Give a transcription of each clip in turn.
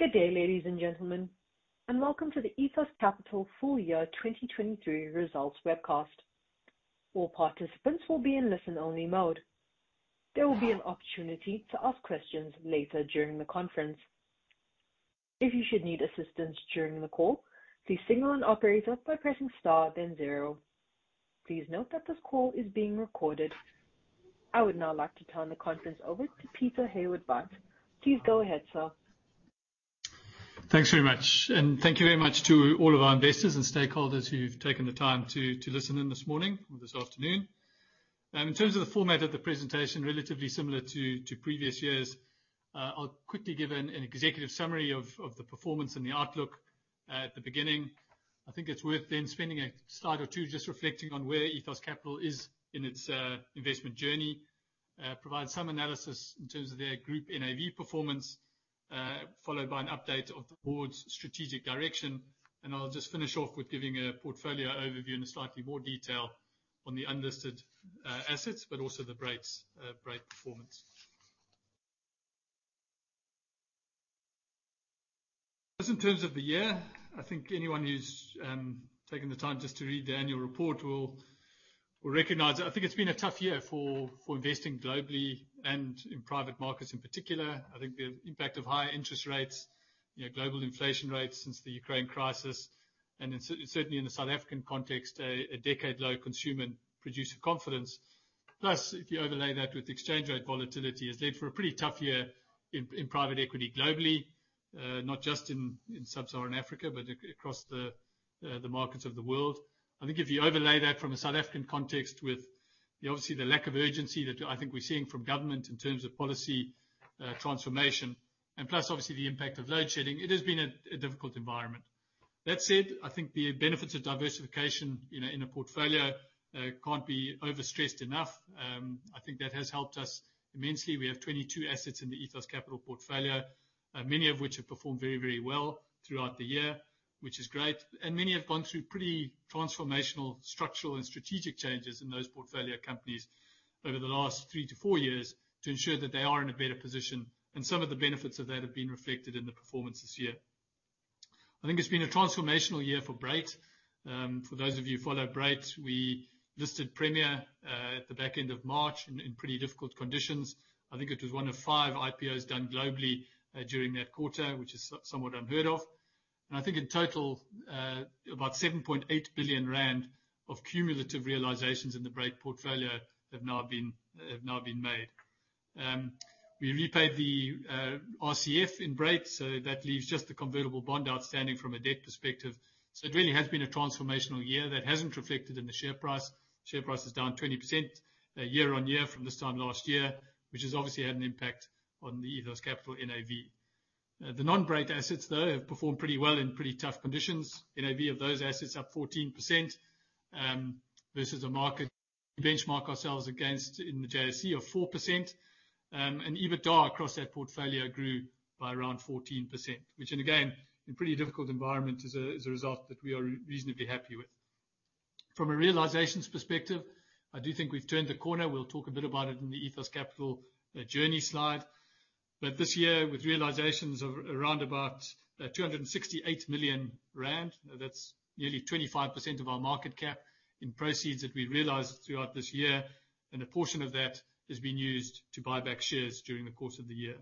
Good day, ladies and gentlemen, and welcome to the Ethos Capital Full Year 2023 Results webcast. All participants will be in listen-only mode. There will be an opportunity to ask questions later during the conference. If you should need assistance during the call, please signal an operator by pressing star then zero. Please note that this call is being recorded. I would now like to turn the conference over to Peter Hayward-Butt. Please go ahead, sir. Thanks very much. Thank you very much to all of our investors and stakeholders who've taken the time to listen in this morning or this afternoon. In terms of the format of the presentation, relatively similar to previous years. I'll quickly give an executive summary of the performance and the outlook at the beginning. I think it's worth then spending a slide or two just reflecting on where Ethos Capital is in its investment journey, provide some analysis in terms of their group NAV performance, followed by an update of the board's strategic direction. I'll just finish off with giving a portfolio overview in slightly more detail on the unlisted assets, but also the Brait performance. Just in terms of the year, I think anyone who's taken the time just to read the annual report will recognize it. I think it's been a tough year for investing globally and in private markets in particular. I think the impact of high interest rates, global inflation rates since the Ukraine crisis, and certainly in the South African context, a decade-low consumer producer confidence. Plus, if you overlay that with exchange rate volatility, has led for a pretty tough year in private equity globally. Not just in sub-Saharan Africa, but across the markets of the world. I think if you overlay that from a South African context with obviously the lack of urgency that I think we're seeing from government in terms of policy transformation, and plus obviously the impact of load shedding, it has been a difficult environment. That said, I think the benefits of diversification in a portfolio can't be overstressed enough. I think that has helped us immensely. We have 22 assets in the Ethos Capital portfolio, many of which have performed very well throughout the year, which is great. Many have gone through pretty transformational structural and strategic changes in those portfolio companies over the last three to four years to ensure that they are in a better position, and some of the benefits of that have been reflected in the performance this year. I think it's been a transformational year for Brait. For those of you who follow Brait, we listed Premier at the back end of March in pretty difficult conditions. I think it was one of five IPOs done globally during that quarter, which is somewhat unheard of. I think in total, about 7.8 billion rand of cumulative realizations in the Brait portfolio have now been made. We repaid the RCF in Brait, that leaves just the convertible bond outstanding from a debt perspective. It really has been a transformational year that hasn't reflected in the share price. Share price is down 20% year-on-year from this time last year, which has obviously had an impact on the Ethos Capital NAV. The non-Brait assets, though, have performed pretty well in pretty tough conditions. NAV of those assets up 14% versus a market benchmark ourselves against in the JSE of 4%. EBITDA across that portfolio grew by around 14%, which again, in pretty difficult environment is a result that we are reasonably happy with. From a realizations perspective, I do think we've turned the corner. We'll talk a bit about it in the Ethos Capital journey slide. This year, with realizations of around about 268 million rand, that's nearly 25% of our market cap in proceeds that we realized throughout this year. A portion of that has been used to buy back shares during the course of the year.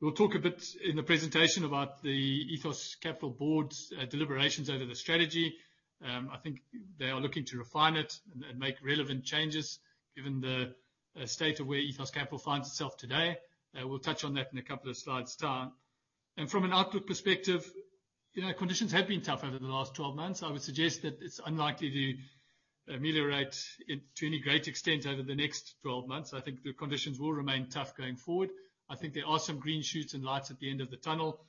We'll talk a bit in the presentation about the Ethos Capital board's deliberations over the strategy. I think they are looking to refine it and make relevant changes given the state of where Ethos Capital finds itself today. We'll touch on that in a couple of slides' time. From an outlook perspective, conditions have been tough over the last 12 months. I would suggest that it's unlikely to ameliorate it to any great extent over the next 12 months. I think the conditions will remain tough going forward. I think there are some green shoots and lights at the end of the tunnel.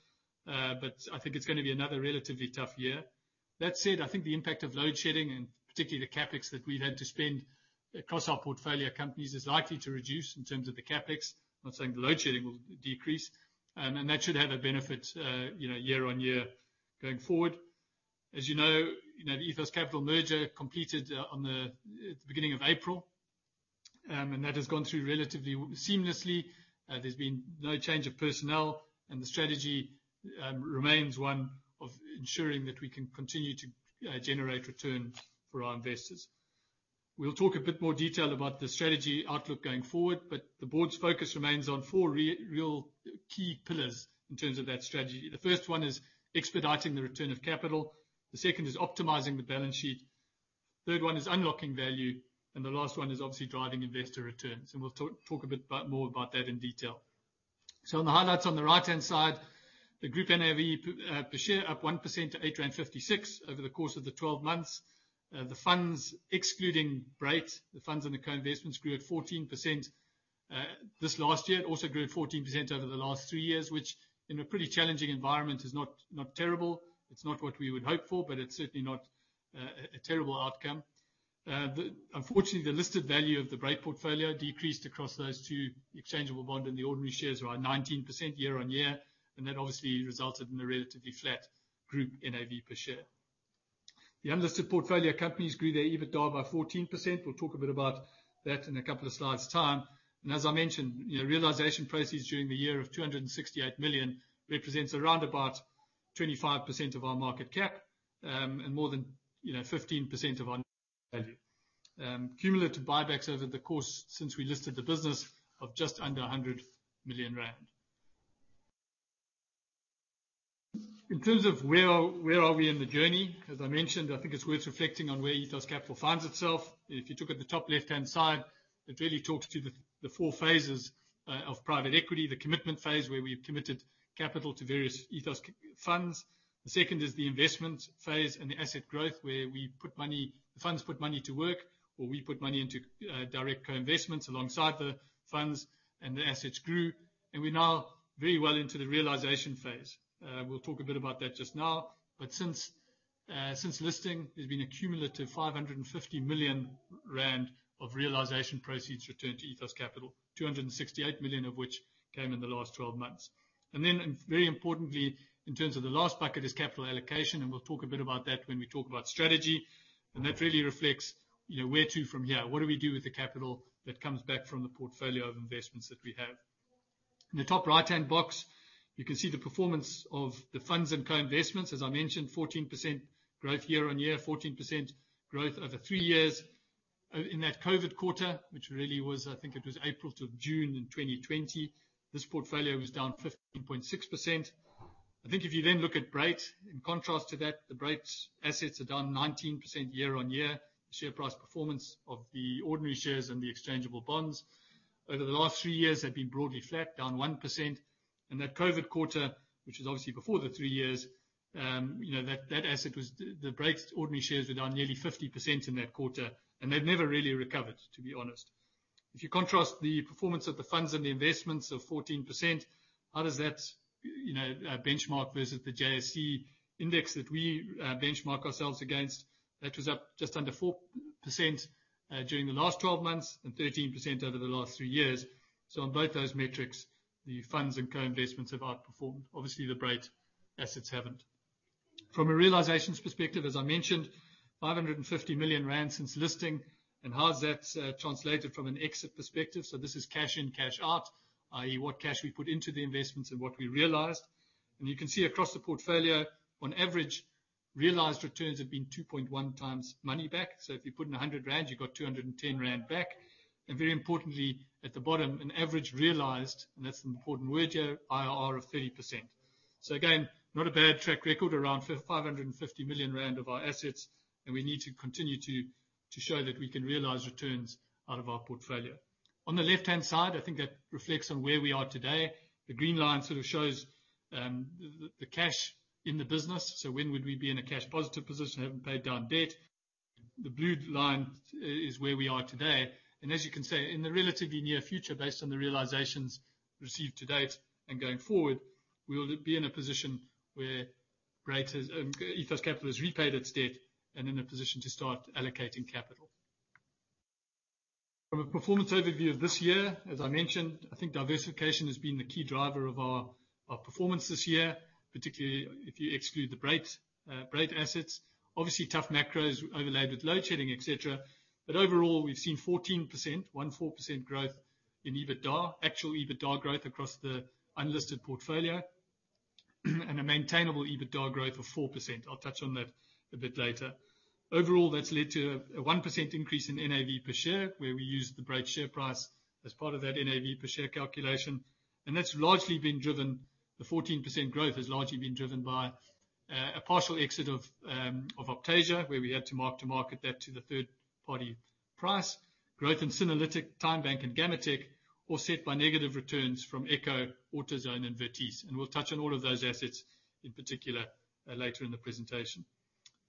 I think it's going to be another relatively tough year. That said, I think the impact of load shedding and particularly the CapEx that we've had to spend across our portfolio companies is likely to reduce in terms of the CapEx. I'm not saying the load shedding will decrease. That should have a benefit year-on-year going forward. As you know, the Ethos Capital merger completed on the beginning of April. That has gone through relatively seamlessly. There's been no change of personnel, and the strategy remains one of ensuring that we can continue to generate return for our investors. We'll talk a bit more detail about the strategy outlook going forward, but the board's focus remains on four real key pillars in terms of that strategy. The first one is expediting the return of capital, the second is optimizing the balance sheet, third one is unlocking value, the last one is obviously driving investor returns. We'll talk a bit more about that in detail. On the highlights on the right-hand side, the group NAV per share up 1% to 8.56 over the course of the 12 months. The funds excluding Brait, the funds and the co-investments grew at 14% this last year. It also grew at 14% over the last three years, which in a pretty challenging environment is not terrible. It's not what we would hope for, but it's certainly not a terrible outcome. Unfortunately, the listed value of the Brait portfolio decreased across those two exchangeable bond and the ordinary shares are up 19% year-on-year. That obviously resulted in a relatively flat group NAV per share. The unlisted portfolio companies grew their EBITDA by 14%. We'll talk a bit about that in a couple of slides' time. As I mentioned, realization proceeds during the year of 268 million represents around about 25% of our market cap, and more than 15% of our net value. Cumulative buybacks over the course since we listed the business of just under 100 million rand. We'll talk a bit about that just now. Since listing, there's been a cumulative 550 million rand of realization proceeds returned to Ethos Capital, 268 million of which came in the last 12 months. Then very importantly, in terms of the last bucket, is capital allocation, and we'll talk a bit about that when we talk about strategy. That really reflects where to from here. Not a bad track record around 550 million rand of our assets, we need to continue to show that we can realize returns out of our portfolio. On the left-hand side, I think that reflects on where we are today. The green line sort of shows the cash in the business. When would we be in a cash positive position, having paid down debt? The blue line is where we are today. As you can see, in the relatively near future, based on the realizations received to date and going forward, we'll be in a position where Ethos Capital has repaid its debt and in a position to start allocating capital. From a performance overview of this year, as I mentioned, I think diversification has been the key driver of our performance this year, particularly if you exclude the Brait assets. Obviously, tough macros overlaid with load shedding, et cetera. Overall, we've seen 14% growth in EBITDA, actual EBITDA growth across the unlisted portfolio, and a maintainable EBITDA growth of 4%. I'll touch on that a bit later. Overall, that's led to a 1% increase in NAV per share, where we use the Brait share price as part of that NAV per share calculation. The 14% growth has largely been driven by a partial exit of Optasia, where we had to mark to market that to the third-party price. Growth in Synerlytic, TymeBank, and Gammatek, offset by negative returns from Echo, AutoZone, and Vertice. We'll touch on all of those assets in particular later in the presentation.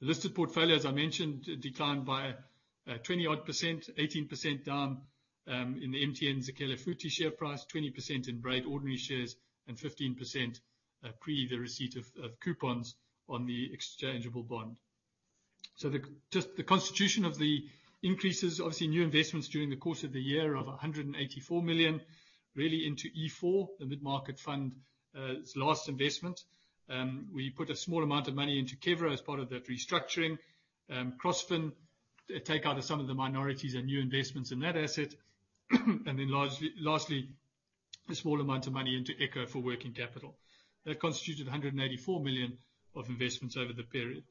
The listed portfolio, as I mentioned, declined by 20%, 18% down in the MTN Zakhele Futhi share price, 20% in Brait ordinary shares, and 15% pre the receipt of coupons on the exchangeable bond. Just the constitution of the increases. Obviously, new investments during the course of the year of 184 million, really into e4, the Mid-Market Fund's last investment. We put a small amount of money into Kevro as part of that restructuring. Crossfin, take out of some of the minorities and new investments in that asset. Then lastly, a small amount of money into Echo for working capital. That constituted 184 million of investments over the period.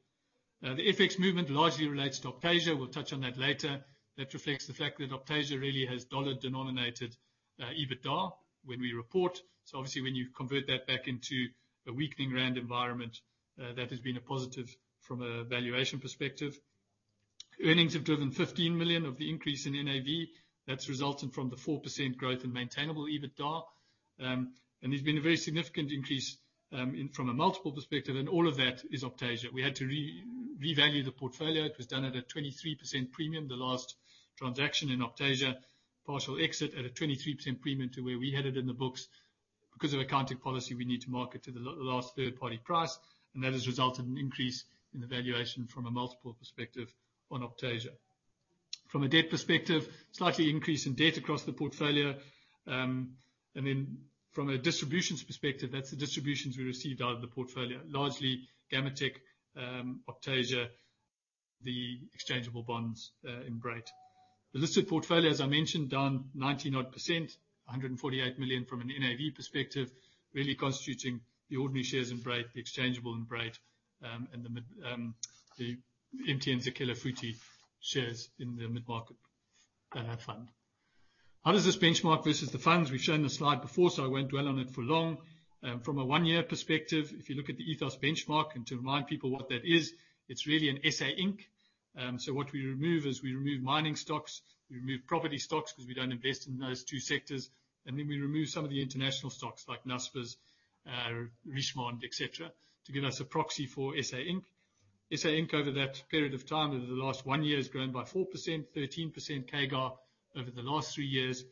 The FX movement largely relates to Optasia. We'll touch on that later. That reflects the fact that Optasia really has dollar-denominated EBITDA when we report. Obviously, when you convert that back into a weakening ZAR environment, that has been a positive from a valuation perspective. Earnings have driven 15 million of the increase in NAV. That's resulted from the 4% growth in maintainable EBITDA. There's been a very significant increase from a multiple perspective, and all of that is Optasia. We had to revalue the portfolio. It was done at a 23% premium, the last transaction in Optasia, partial exit at a 23% premium to where we had it in the books. Because of accounting policy, we need to market to the last third-party price, that has resulted in an increase in the valuation from a multiple perspective on Optasia. From a debt perspective, slightly increase in debt across the portfolio. From a distributions perspective, that's the distributions we received out of the portfolio, largely Gammatek, Optasia, the exchangeable bonds in Brait. The listed portfolio, as I mentioned, down 90-odd%, 148 million from an NAV perspective, really constituting the ordinary shares in Brait, the exchangeable in Brait, and the MTN Zakhele Futhi shares in the mid-market fund. How does this benchmark versus the funds? We've shown the slide before, so I won't dwell on it for long. From a one-year perspective, if you look at the Ethos benchmark and to remind people what that is, it's really an SA Inc. What we remove is we remove mining stocks, we remove property stocks because we don't invest in those two sectors, and then we remove some of the international stocks like Naspers, Richemont, et cetera, to give us a proxy for SA Inc. SA Inc. over that period of time, over the last one year, has grown by 4%, 13% CAGR over the last three years.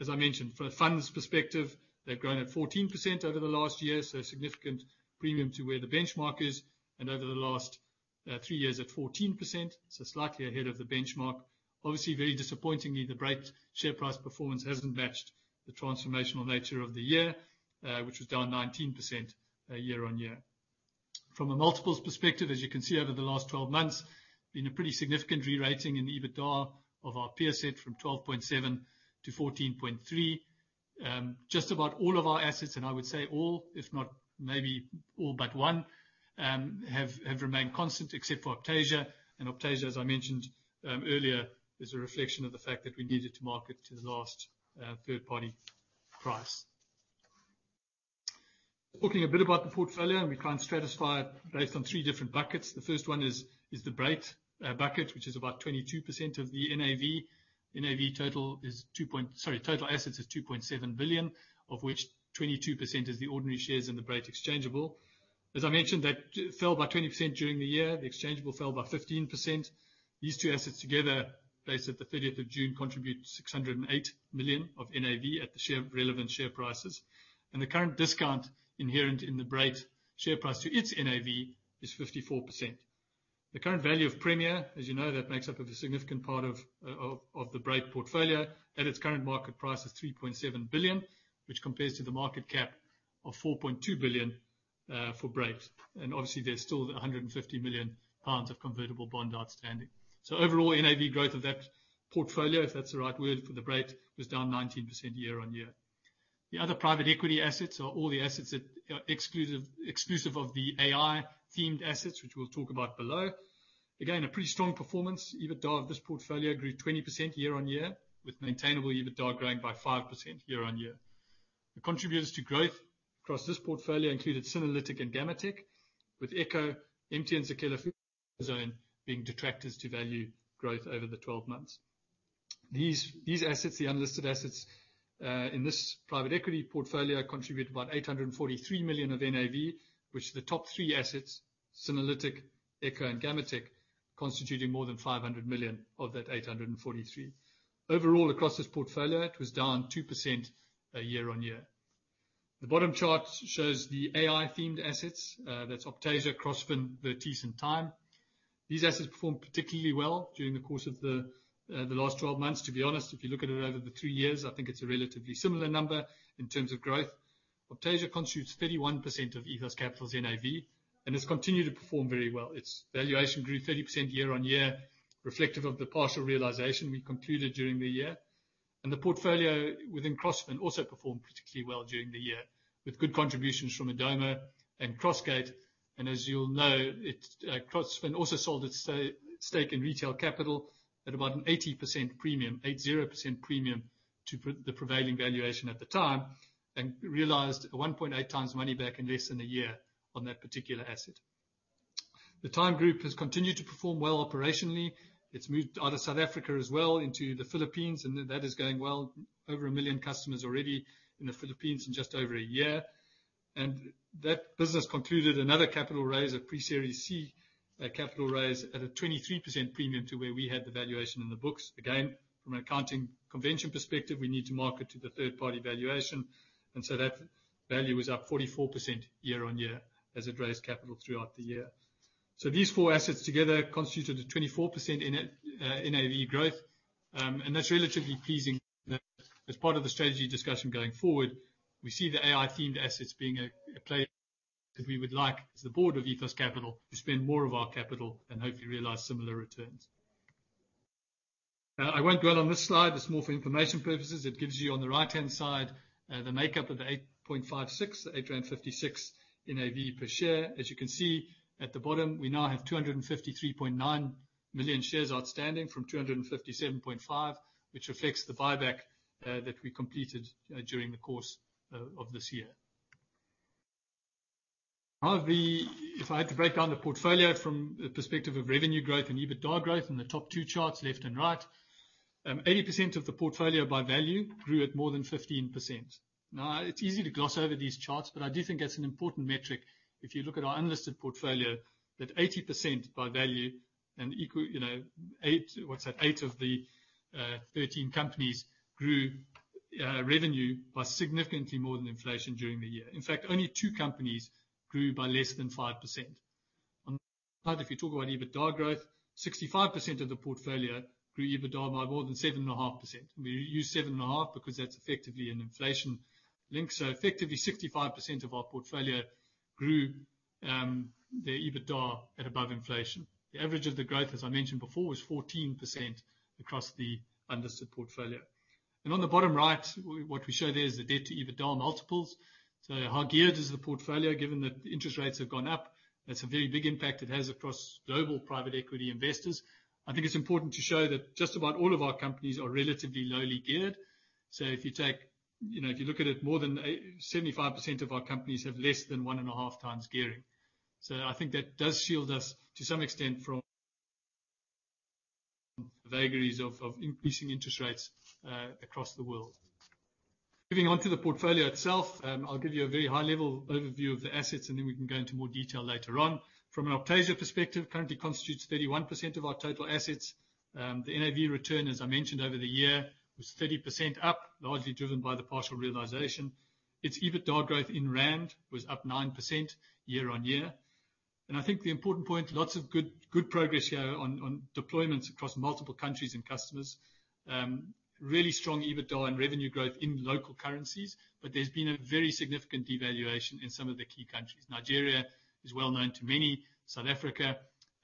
As I mentioned, from a funds perspective, they've grown at 14% over the last year, significant premium to where the benchmark is, and over the last three years at 14%, slightly ahead of the benchmark. Obviously, very disappointingly, the Brait share price performance hasn't matched the transformational nature of the year, which was down 19% year-on-year. From a multiples perspective, as you can see over the last 12 months, been a pretty significant re-rating in EBITDA of our peer set from 12.7-14.3. Just about all of our assets, and I would say all, if not maybe all but one, have remained constant except for Optasia. Optasia, as I mentioned earlier, is a reflection of the fact that we needed to market to the last third-party price. Talking a bit about the portfolio, we kind of stratify it based on three different buckets. The first one is the Brait bucket, which is about 22% of the NAV. Total assets is 2.7 billion, of which 22% is the ordinary shares in the Brait exchangeable. As I mentioned, that fell by 20% during the year. The exchangeable fell by 15%. These two assets together, based at the 30th of June, contribute 608 million of NAV at the relevant share prices. The current discount inherent in the Brait share price to its NAV is 54%. The current value of Premier, as you know, that makes up a significant part of the Brait portfolio at its current market price of 3.7 billion, which compares to the market cap of 4.2 billion for Brait. Obviously, there's still 150 million pounds of convertible bond outstanding. Overall NAV growth of that portfolio, if that's the right word for the Brait, was down 19% year-on-year. The other private equity assets are all the assets that are exclusive of the AI-themed assets, which we'll talk about below. Again, a pretty strong performance. EBITDA of this portfolio grew 20% year-on-year, with maintainable EBITDA growing by 5% year-on-year. The contributors to growth across this portfolio included Synerlytic and Gammatek, with Echo, MTN Zakhele Futhi, AutoZone being detractors to value growth over the 12 months. These assets, the unlisted assets, in this private equity portfolio contribute about 843 million of NAV, which the top three assets, Synerlytic, Echo, and Gammatek, constituting more than 500 million of that 843. Overall, across this portfolio, it was down 2% year-over-year. The bottom chart shows the AI-themed assets. That's Optasia, Crossfin, Vertice, and Tyme. These assets performed particularly well during the course of the last 12 months. To be honest, if you look at it over the three years, I think it's a relatively similar number in terms of growth. Optasia constitutes 31% of Ethos Capital's NAV and has continued to perform very well. Its valuation grew 30% year-over-year, reflective of the partial realization we concluded during the year. The portfolio within Crossfin also performed particularly well during the year, with good contributions from Adumo and Crossgate. As you'll know, Crossfin also sold its stake in Retail Capital at about an 80% premium, 80% premium to the prevailing valuation at the time, and realized 1.8 times money back in less than one year on that particular asset. The Tyme Group has continued to perform well operationally. It's moved out of South Africa as well into the Philippines, and that is going well. Over 1 million customers already in the Philippines in just over one year. That business concluded another capital raise, a pre-series C capital raise at a 23% premium to where we had the valuation in the books. Again, from an accounting convention perspective, we need to market to the third-party valuation. That value is up 44% year-over-year as it raised capital throughout the year. These four assets together constituted 24% in NAV growth, and that's relatively pleasing. As part of the strategy discussion going forward, we see the AI-themed assets being a play that we would like as the board of Ethos Capital to spend more of our capital and hopefully realize similar returns. I won't dwell on this slide. It's more for information purposes. It gives you on the right-hand side, the makeup of the 8.56, the 8.56 NAV per share. As you can see at the bottom, we now have 253.9 million shares outstanding from 257.5, which reflects the buyback that we completed during the course of this year. If I had to break down the portfolio from the perspective of revenue growth and EBITDA growth in the top two charts, left and right, 80% of the portfolio by value grew at more than 15%. It's easy to gloss over these charts, but I do think that's an important metric. If you look at our unlisted portfolio, that 80% by value and eight of the 13 companies grew revenue by significantly more than inflation during the year. In fact, only two companies grew by less than 5%. On the other side, if you talk about EBITDA growth, 65% of the portfolio grew EBITDA by more than 7.5%. We use 7.5 because that's effectively an inflation link. Effectively, 65% of our portfolio grew their EBITDA at above inflation. The average of the growth, as I mentioned before, was 14% across the unlisted portfolio. On the bottom right, what we show there is the debt to EBITDA multiples. How geared is the portfolio, given that interest rates have gone up? That's a very big impact it has across global private equity investors. I think it's important to show that just about all of our companies are relatively lowly geared. If you look at it, more than 75% of our companies have less than 1.5 times gearing. I think that does shield us, to some extent, from the vagaries of increasing interest rates across the world. Moving on to the portfolio itself, I'll give you a very high-level overview of the assets, and then we can go into more detail later on. From an Optasia perspective, currently constitutes 31% of our total assets. The NAV return, as I mentioned, over the year, was 30% up, largely driven by the partial realization. Its EBITDA growth in ZAR was up 9% year-over-year. I think the important point, lots of good progress here on deployments across multiple countries and customers. Really strong EBITDA and revenue growth in local currencies, but there's been a very significant devaluation in some of the key countries. Nigeria is well known to many. South Africa,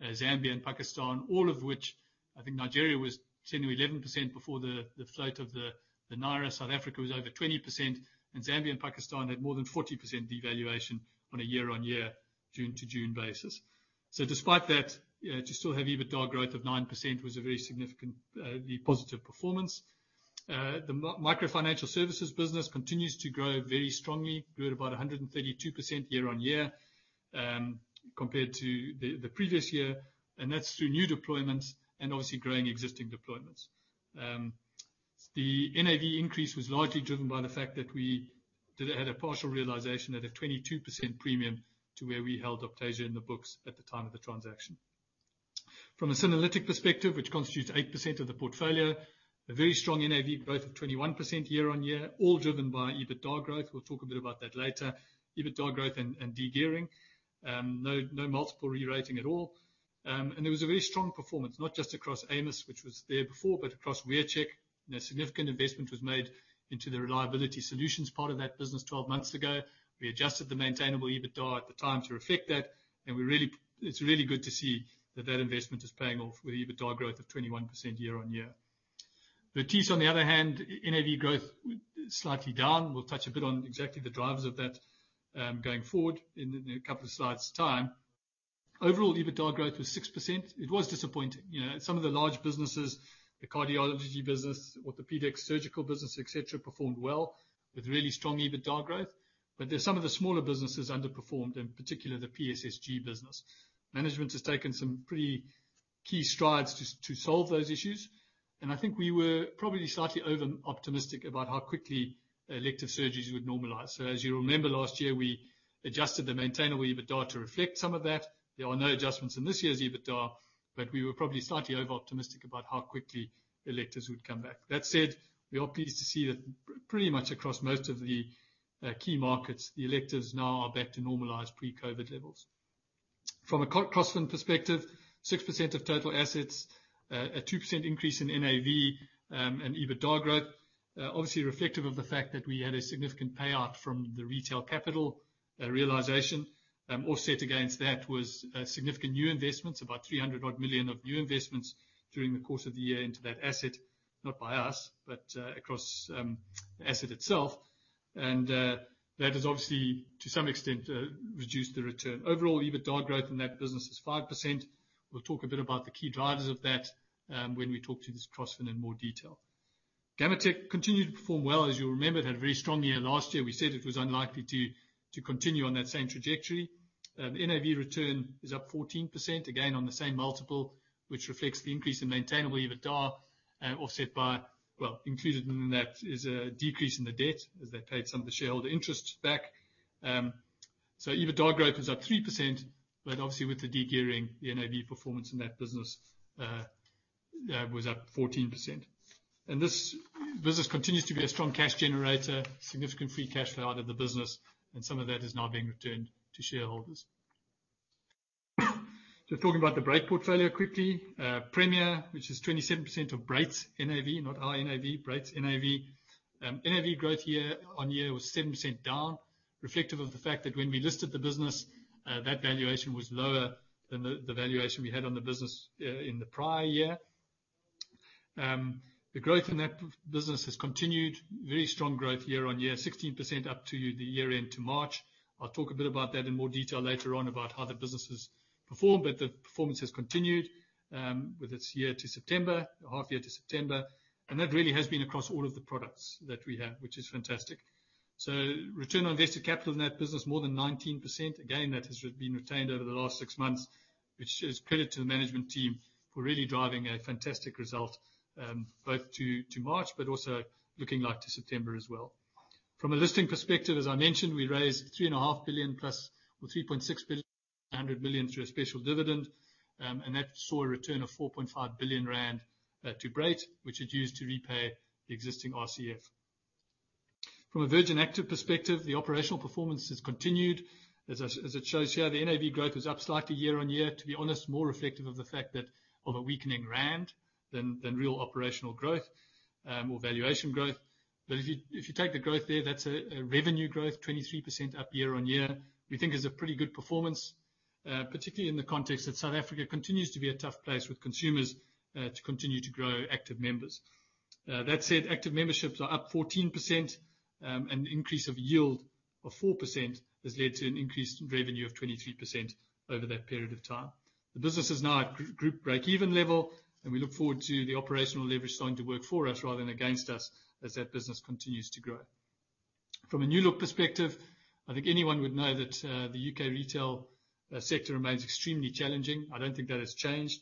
Zambia, and Pakistan, all of which, I think Nigeria was 10%-11% before the float of the Naira. South Africa was over 20%, and Zambia and Pakistan had more than 40% devaluation on a year-over-year, June to June basis. Despite that, to still have EBITDA growth of 9% was a very significant positive performance. The micro financial services business continues to grow very strongly. Grew at about 132% year-over-year compared to the previous year. That's through new deployments and obviously growing existing deployments. The NAV increase was largely driven by the fact that we had a partial realization at a 22% premium to where we held Optasia in the books at the time of the transaction. From a Synerlytic perspective, which constitutes 8% of the portfolio, a very strong NAV growth of 21% year-over-year, all driven by EBITDA growth. We'll talk a bit about that later. EBITDA growth and de-gearing. No multiple re-rating at all. There was a very strong performance, not just across Amos, which was there before, but across WearCheck. A significant investment was made into the reliability solutions part of that business 12 months ago. We adjusted the maintainable EBITDA at the time to reflect that, and it's really good to see that that investment is paying off with EBITDA growth of 21% year-over-year. Vertice on the other hand, NAV growth slightly down. We'll touch a bit on exactly the drivers of that going forward in a couple of slides' time. Overall, EBITDA growth was 6%. It was disappointing. Some of the large businesses, the cardiology business, orthopedic surgical business, et cetera, performed well with really strong EBITDA growth. Some of the smaller businesses underperformed, in particular, the PSSG business. Management has taken some pretty key strides to solve those issues. I think we were probably slightly over-optimistic about how quickly elective surgeries would normalize. As you remember last year, we adjusted the maintainable EBITDA to reflect some of that. There are no adjustments in this year's EBITDA, but we were probably slightly over-optimistic about how quickly electives would come back. That said, we are pleased to see that pretty much across most of the key markets, the electives now are back to normalized pre-COVID levels. From a Crossfin perspective, 6% of total assets, a 2% increase in NAV, and EBITDA growth. Obviously reflective of the fact that we had a significant payout from the Retail Capital realization. Offset against that was significant new investments, about 300 million of new investments during the course of the year into that asset. Not by us, but across the asset itself. That has obviously, to some extent, reduced the return. Overall, EBITDA growth in that business is 5%. We will talk a bit about the key drivers of that when we talk to this Crossfin in more detail. Gammatek continued to perform well. As you will remember, it had a very strong year last year. We said it was unlikely to continue on that same trajectory. NAV return is up 14%, again, on the same multiple, which reflects the increase in maintainable EBITDA. Included within that is a decrease in the debt as they paid some of the shareholder interest back. EBITDA growth is up 3%, but obviously, with the de-gearing, the NAV performance in that business was up 14%. This business continues to be a strong cash generator, significant free cash flow out of the business, and some of that is now being returned to shareholders. Talking about the Brait portfolio quickly. Premier, which is 27% of Brait's NAV, not our NAV, Brait's NAV. NAV growth year-on-year was 7% down, reflective of the fact that when we listed the business, that valuation was lower than the valuation we had on the business in the prior year. The growth in that business has continued. Very strong growth year-on-year, 16% up to the year-end to March. I will talk a bit about that in more detail later on about how the business has performed. But the performance has continued, with its year to September, half year to September, and that really has been across all of the products that we have, which is fantastic. Return on invested capital in that business, more than 19%. Again, that has been retained over the last 6 months, which is credit to the management team for really driving a fantastic result, both to March but also looking like to September as well. From a listing perspective, as I mentioned, we raised 3.6 billion, 100 million through a special dividend. That saw a return of 4.5 billion rand to Brait, which it used to repay the existing RCF. From a Virgin Active perspective, the operational performance has continued. As it shows here, the NAV growth is up slightly year-on-year. To be honest, more reflective of the fact of a weakening rand than real operational growth or valuation growth. But if you take the growth there, that is a revenue growth 23% up year-on-year. We think is a pretty good performance, particularly in the context that South Africa continues to be a tough place with consumers to continue to grow active members. That said, active memberships are up 14%, and an increase of yield of 4% has led to an increased revenue of 23% over that period of time. The business is now at group breakeven level, and we look forward to the operational leverage starting to work for us rather than against us as that business continues to grow. From a New Look perspective, I think anyone would know that the U.K. retail sector remains extremely challenging. I do not think that has changed.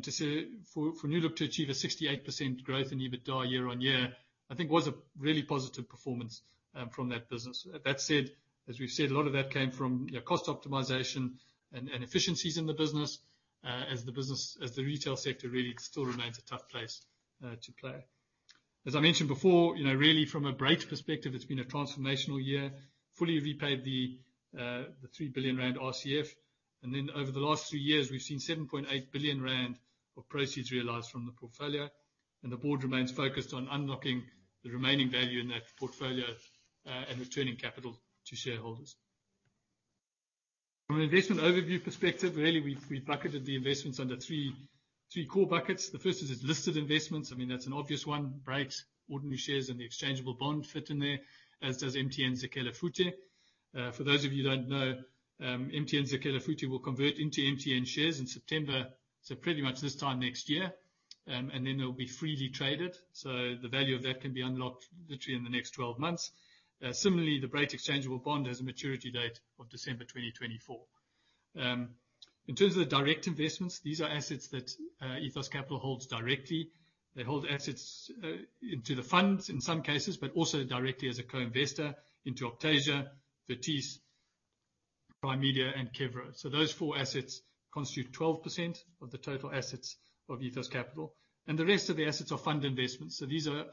To say for New Look to achieve a 68% growth in EBITDA year-over-year, I think was a really positive performance from that business. That said, as we've said, a lot of that came from cost optimization and efficiencies in the business, as the retail sector really still remains a tough place to play. As I mentioned before, really from a Brait perspective, it's been a transformational year, fully repaid the 3 billion rand RCF. Over the last three years, we've seen 7.8 billion rand of proceeds realized from the portfolio. The board remains focused on unlocking the remaining value in that portfolio, and returning capital to shareholders. From an investment overview perspective, really, we've bucketed the investments under three core buckets. The first is its listed investments. I mean, that's an obvious one. Brait ordinary shares and the exchangeable bond fit in there, as does MTN Zakhele Futhi. For those of you who don't know, MTN Zakhele Futhi will convert into MTN shares in September. Pretty much this time next year. They'll be freely traded. The value of that can be unlocked literally in the next 12 months. Similarly, the Brait exchangeable bond has a maturity date of December 2024. In terms of the direct investments, these are assets that Ethos Capital holds directly. They hold assets into the funds in some cases, but also directly as a co-investor into Optasia, Vertice, Primedia and Kevro. Those four assets constitute 12% of the total assets of Ethos Capital, and the rest of the assets are fund investments. These are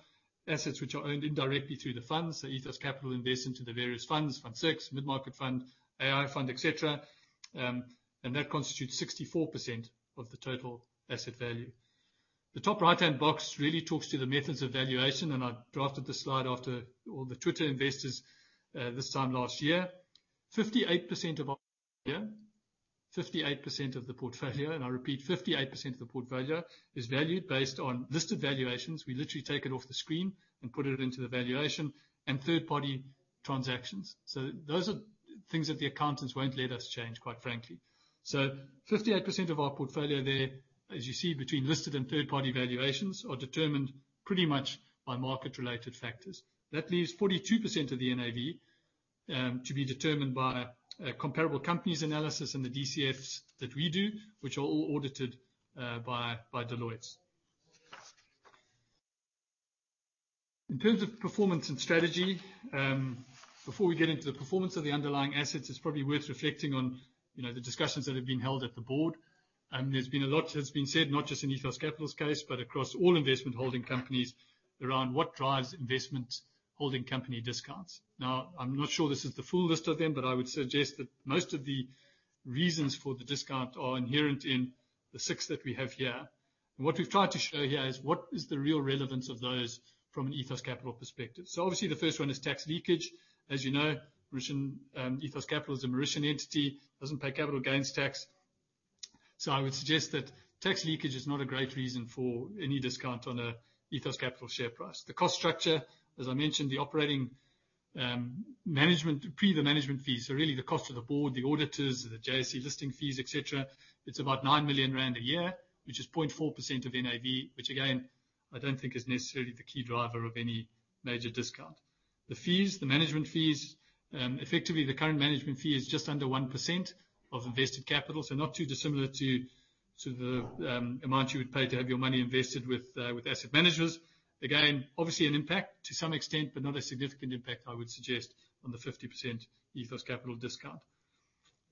assets which are owned indirectly through the funds. Ethos Capital invest into the various funds, Fund VI, Mid Market Fund, AI Fund, et cetera. That constitutes 64% of the total asset value. The top right-hand box really talks to the methods of valuation. I drafted this slide after all the Twitter investors, this time last year. 58% of our portfolio, and I repeat, 58% of the portfolio is valued based on listed valuations. We literally take it off the screen and put it into the valuation and third-party transactions. Those are things that the accountants won't let us change, quite frankly. 58% of our portfolio there, as you see between listed and third-party valuations, are determined pretty much by market-related factors. That leaves 42% of the NAV, to be determined by comparable companies' analysis and the DCFs that we do, which are all audited by Deloitte. In terms of performance and strategy, before we get into the performance of the underlying assets, it's probably worth reflecting on the discussions that have been held at the board. There's been a lot that's been said, not just in Ethos Capital's case, but across all investment holding companies around what drives investment holding company discounts. I'm not sure this is the full list of them, but I would suggest that most of the reasons for the discount are inherent in the six that we have here. What we've tried to show here is what is the real relevance of those from an Ethos Capital perspective. Obviously, the first one is tax leakage. As you know, Ethos Capital is a Mauritian entity, doesn't pay capital gains tax. I would suggest that tax leakage is not a great reason for any discount on an Ethos Capital share price. The cost structure, as I mentioned, the operating pre the management fees. really the cost of the board, the auditors, the JSE listing fees, et cetera. It is about 9 million rand a year, which is 0.4% of NAV, which again, I do not think is necessarily the key driver of any major discount. The fees, the management fees, effectively the current management fee is just under 1% of invested capital. not too dissimilar to the amount you would pay to have your money invested with asset managers. Again, obviously an impact to some extent, but not a significant impact, I would suggest, on the 50% Ethos Capital discount.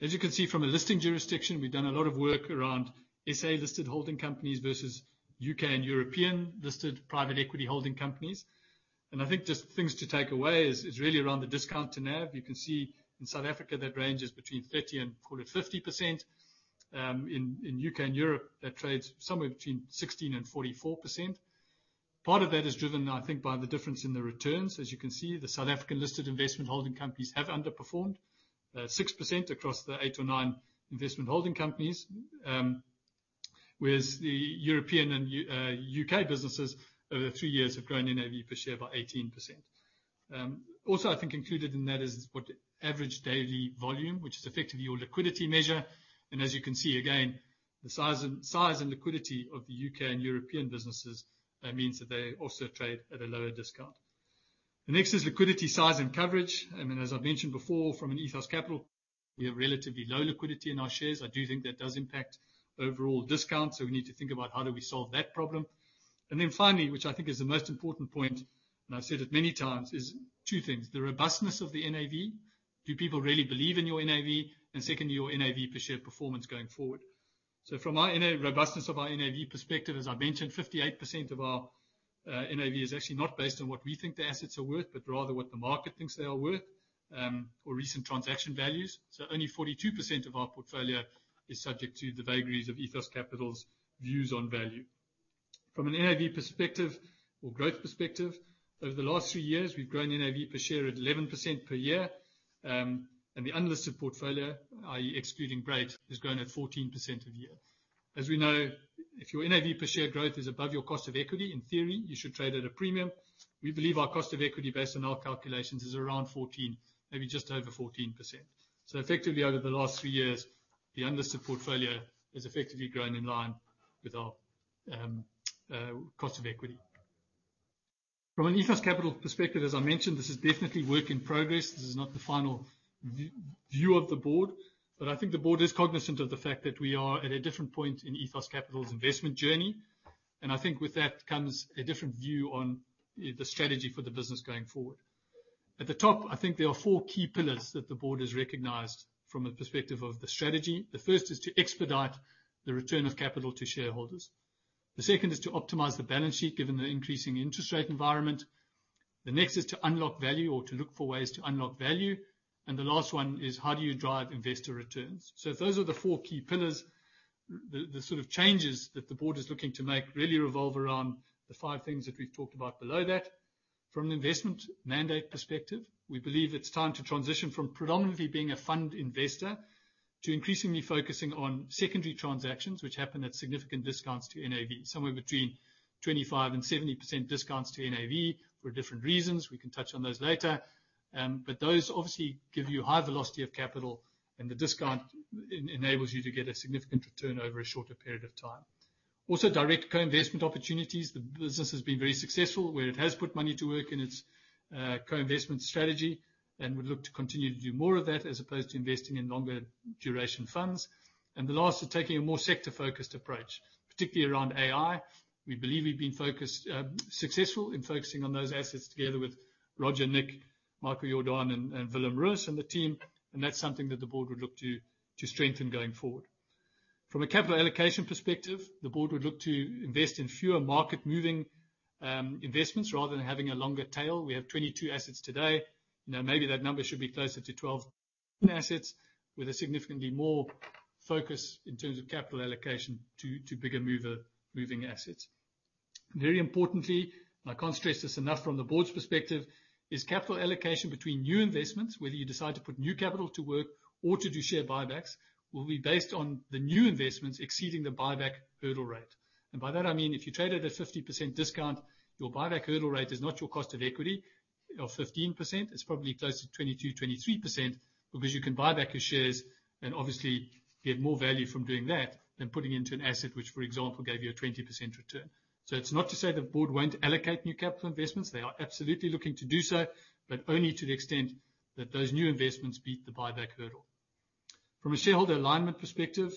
As you can see from a listing jurisdiction, we have done a lot of work around SA-listed holding companies versus U.K. and European listed private equity holding companies. I think just things to take away is really around the discount to NAV. You can see in South Africa that range is between 30 and 40, 50%. In U.K. and Europe, that trades somewhere between 16%-44%. Part of that is driven, I think, by the difference in the returns. As you can see, the South African listed investment holding companies have underperformed 6% across the 8 or 9 investment holding companies. Whereas the European and U.K. businesses over the 3 years have grown NAV per share by 18%. Also, I think included in that is what average daily volume, which is effectively your liquidity measure. As you can see again, the size and liquidity of the U.K. and European businesses means that they also trade at a lower discount. The next is liquidity size and coverage. I mean, as I have mentioned before, from an Ethos CapitalWe have relatively low liquidity in our shares. I do think that does impact overall discount, so we need to think about how do we solve that problem. Then finally, which I think is the most important point, and I have said it many times, is 2 things. The robustness of the NAV. Do people really believe in your NAV? Secondly, your NAV per share performance going forward. From our robustness of our NAV perspective, as I mentioned, 58% of our NAV is actually not based on what we think the assets are worth, but rather what the market thinks they are worth, or recent transaction values. Only 42% of our portfolio is subject to the vagaries of Ethos Capital's views on value. From an NAV perspective or growth perspective, over the last 3 years, we have grown NAV per share at 11% per year. The unlisted portfolio, i.e. excluding Brait, has grown at 14% a year. As we know, if your NAV per share growth is above your cost of equity, in theory, you should trade at a premium. We believe our cost of equity based on our calculations is around 14%, maybe just over 14%. Effectively, over the last 3 years, the unlisted portfolio has effectively grown in line with our cost of equity. From an Ethos Capital perspective, as I mentioned, this is definitely work in progress. This is not the final view of the board. I think the board is cognizant of the fact that we are at a different point in Ethos Capital's investment journey. I think with that comes a different view on the strategy for the business going forward. At the top, I think there are 4 key pillars that the board has recognized from a perspective of the strategy. The first is to expedite the return of capital to shareholders. The second is to optimize the balance sheet, given the increasing interest rate environment. The next is to unlock value or to look for ways to unlock value. The last one is, how do you drive investor returns? Those are the 4 key pillars. The sort of changes that the board is looking to make really revolve around the 5 things that we've talked about below that. From an investment mandate perspective, we believe it's time to transition from predominantly being a fund investor to increasingly focusing on secondary transactions, which happen at significant discounts to NAV. Somewhere between 25% and 70% discounts to NAV for different reasons. We can touch on those later. Those obviously give you high velocity of capital, and the discount enables you to get a significant return over a shorter period of time. Also, direct co-investment opportunities. The business has been very successful where it has put money to work in its co-investment strategy. We look to continue to do more of that as opposed to investing in longer duration funds. The last is taking a more sector-focused approach, particularly around AI. We believe we've been successful in focusing on those assets together with Roger, Nick, Michael, Jordan, and Willem Roos and the team, and that's something that the board would look to strengthen going forward. From a capital allocation perspective, the board would look to invest in fewer market-moving investments rather than having a longer tail. We have 22 assets today. Maybe that number should be closer to 12 assets with a significantly more focus in terms of capital allocation to bigger moving assets. Very importantly, I can't stress this enough from the board's perspective, is capital allocation between new investments, whether you decide to put new capital to work or to do share buybacks, will be based on the new investments exceeding the buyback hurdle rate. By that, I mean if you trade at a 50% discount, your buyback hurdle rate is not your cost of equity of 15%. It's probably closer to 22%, 23%, because you can buy back your shares and obviously get more value from doing that than putting into an asset which, for example, gave you a 20% return. It's not to say the board won't allocate new capital investments. They are absolutely looking to do so, but only to the extent that those new investments beat the buyback hurdle. From a shareholder alignment perspective,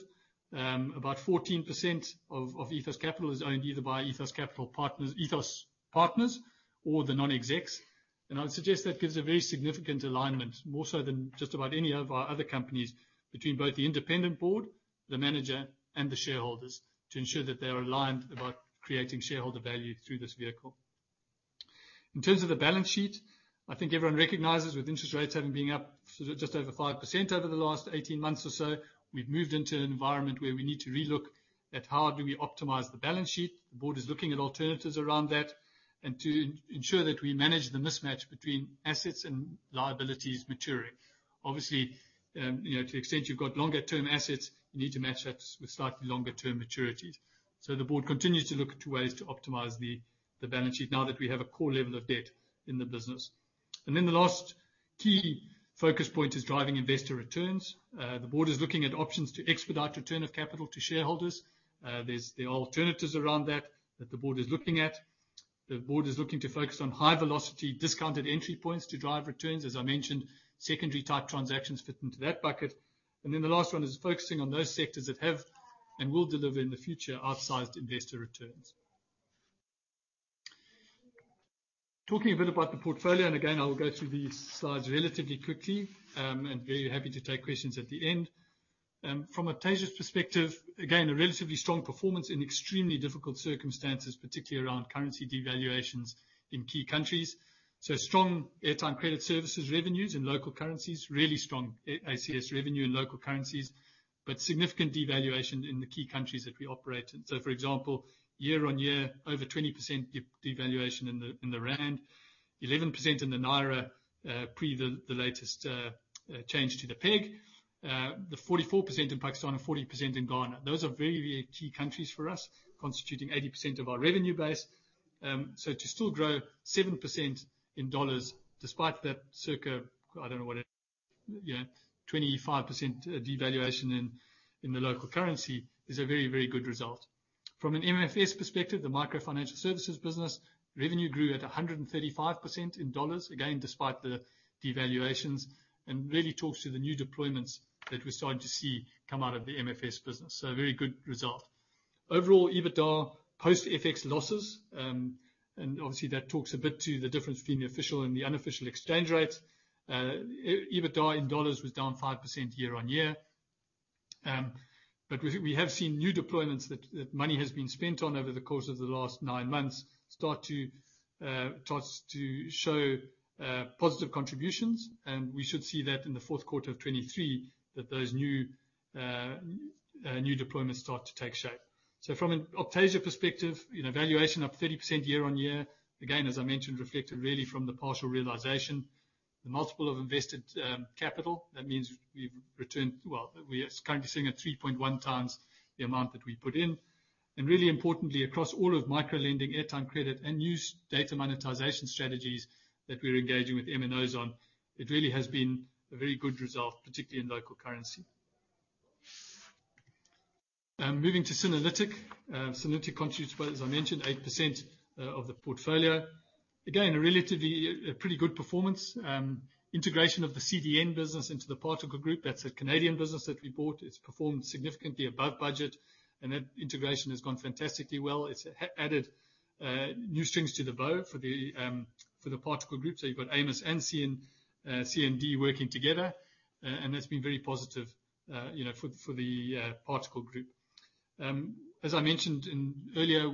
about 14% of Ethos Capital is owned either by Ethos Capital partners, Ethos partners, or the non-execs. I would suggest that gives a very significant alignment, more so than just about any of our other companies, between both the independent board, the manager, and the shareholders to ensure that they are aligned about creating shareholder value through this vehicle. In terms of the balance sheet, I think everyone recognizes with interest rates having been up just over 5% over the last 18 months or so, we've moved into an environment where we need to relook at how do we optimize the balance sheet. The board is looking at alternatives around that and to ensure that we manage the mismatch between assets and liabilities maturing. To the extent you've got longer term assets, you need to match that with slightly longer term maturities. The board continues to look at ways to optimize the balance sheet now that we have a core level of debt in the business. The last key focus point is driving investor returns. The board is looking at options to expedite return of capital to shareholders. There's alternatives around that the board is looking at. The board is looking to focus on high velocity discounted entry points to drive returns. As I mentioned, secondary type transactions fit into that bucket. The last one is focusing on those sectors that have and will deliver in the future outsized investor returns. Talking a bit about the portfolio, and again, I will go through these slides relatively quickly, and very happy to take questions at the end. From Optasia's perspective, again, a relatively strong performance in extremely difficult circumstances, particularly around currency devaluations in key countries. Strong airtime credit services revenues in local currencies, really strong ACS revenue in local currencies, but significant devaluation in the key countries that we operate in. For example, year-on-year, over 20% devaluation in the ZAR, 11% in the NGN, pre the latest change to the peg. 44% in Pakistan and 40% in Ghana. Those are very, very key countries for us, constituting 80% of our revenue base. To still grow 7% in USD despite that circa 25% devaluation in the local currency is a very, very good result. From an MFS perspective, the microfinancial services business revenue grew at 135% in USD, again, despite the devaluations, and really talks to the new deployments that we're starting to see come out of the MFS business. A very good result. Overall, EBITDA post FX losses, that talks a bit to the difference between the official and the unofficial exchange rates. EBITDA in USD was down 5% year-on-year. We have seen new deployments that money has been spent on over the course of the last nine months start to show positive contributions, and we should see that in the fourth quarter of 2023, that those new deployments start to take shape. From an Optasia perspective, valuation up 30% year-on-year, again, as I mentioned, reflected really from the partial realization, the multiple of invested capital. That means we've returned, well, we are currently sitting at 3.1 times the amount that we put in. Really importantly, across all of micro-lending, airtime credit, and new data monetization strategies that we're engaging with MNOs on, it really has been a very good result, particularly in local currency. Moving to Synerlytic. Synerlytic contributes, as I mentioned, 8% of the portfolio. Again, a relatively pretty good performance. Integration of the CDN business into the Particle group, that's a Canadian business that we bought. It's performed significantly above budget, and that integration has gone fantastically well. It's added new strings to the bow for the Particle group. You've got Amos and CDN working together, and that's been very positive for the Particle group. As I mentioned earlier,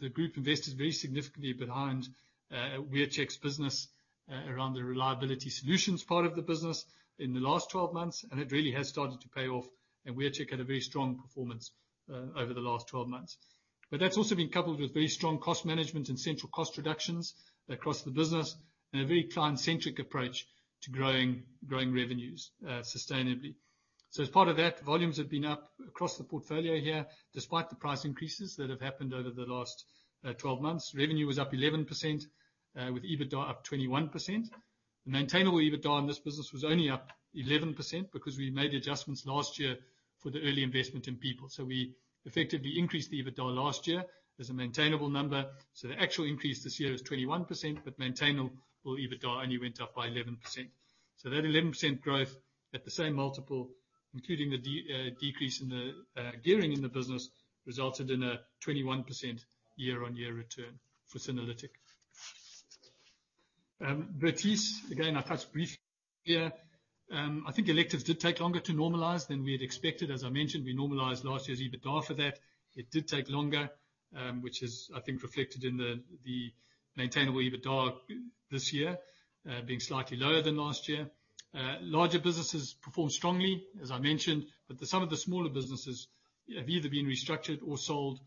the group invested very significantly behind WearCheck's business around the reliability solutions part of the business in the last 12 months, and it really has started to pay off, and WearCheck had a very strong performance over the last 12 months. That's also been coupled with very strong cost management and central cost reductions across the business and a very client-centric approach to growing revenues sustainably. As part of that, volumes have been up across the portfolio here, despite the price increases that have happened over the last 12 months. Revenue was up 11%, with EBITDA up 21%. The maintainable EBITDA in this business was only up 11% because we made the adjustments last year for the early investment in people. We effectively increased the EBITDA last year as a maintainable number. The actual increase this year is 21%, but maintainable EBITDA only went up by 11%. That 11% growth at the same multiple, including the decrease in the gearing in the business, resulted in a 21% year-on-year return for Synerlytic. Vertice, again, I touched briefly here. I think electives did take longer to normalize than we had expected. As I mentioned, we normalized last year's EBITDA for that. It did take longer, which is, I think, reflected in the maintainable EBITDA this year, being slightly lower than last year. Larger businesses performed strongly, as I mentioned, but some of the smaller businesses have either been restructured or sold,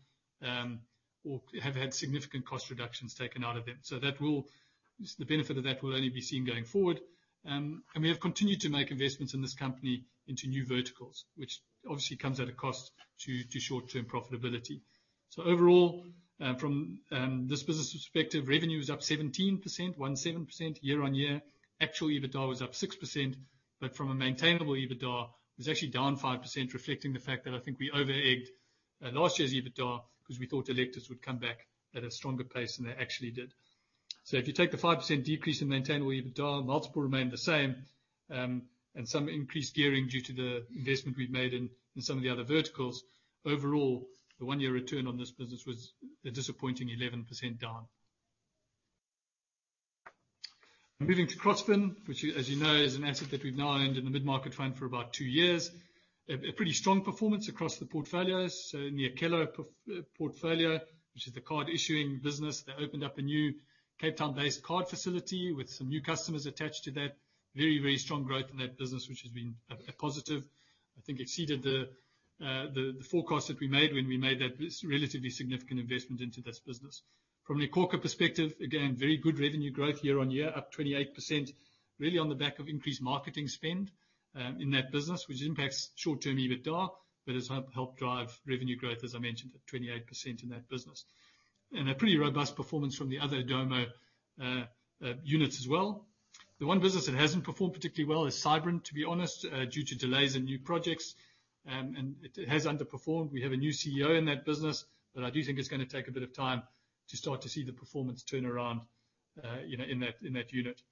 or have had significant cost reductions taken out of them. The benefit of that will only be seen going forward. We have continued to make investments in this company into new verticals, which obviously comes at a cost to short-term profitability. Overall, from this business perspective, revenue is up 17% year-on-year. Actual EBITDA was up 6%, from a maintainable EBITDA, it was actually down 5%, reflecting the fact that I think we over-egged last year's EBITDA because we thought electives would come back at a stronger pace than they actually did. If you take the 5% decrease in maintainable EBITDA, multiple remained the same, and some increased gearing due to the investment we've made in some of the other verticals. Overall, the one-year return on this business was a disappointing 11% down. Moving to Crossfin, which as you know, is an asset that we've now owned in the mid-market fund for about two years. A pretty strong performance across the portfolios. In the Crossgate portfolio, which is the card issuing business, they opened up a new Cape Town-based card facility with some new customers attached to that. Very, very strong growth in that business, which has been a positive. I think exceeded the forecast that we made when we made that relatively significant investment into this business. From a iKhokha perspective, again, very good revenue growth year-over-year, up 28%, really on the back of increased marketing spend in that business, which impacts short-term EBITDA, but has helped drive revenue growth, as I mentioned, at 28% in that business. A pretty robust performance from the other Domo units as well. The one business that hasn't performed particularly well is Sybrin, to be honest, due to delays in new projects. It has underperformed. We have a new CEO in that business, but I do think it's going to take a bit of time to start to see the performance turn around in that unit.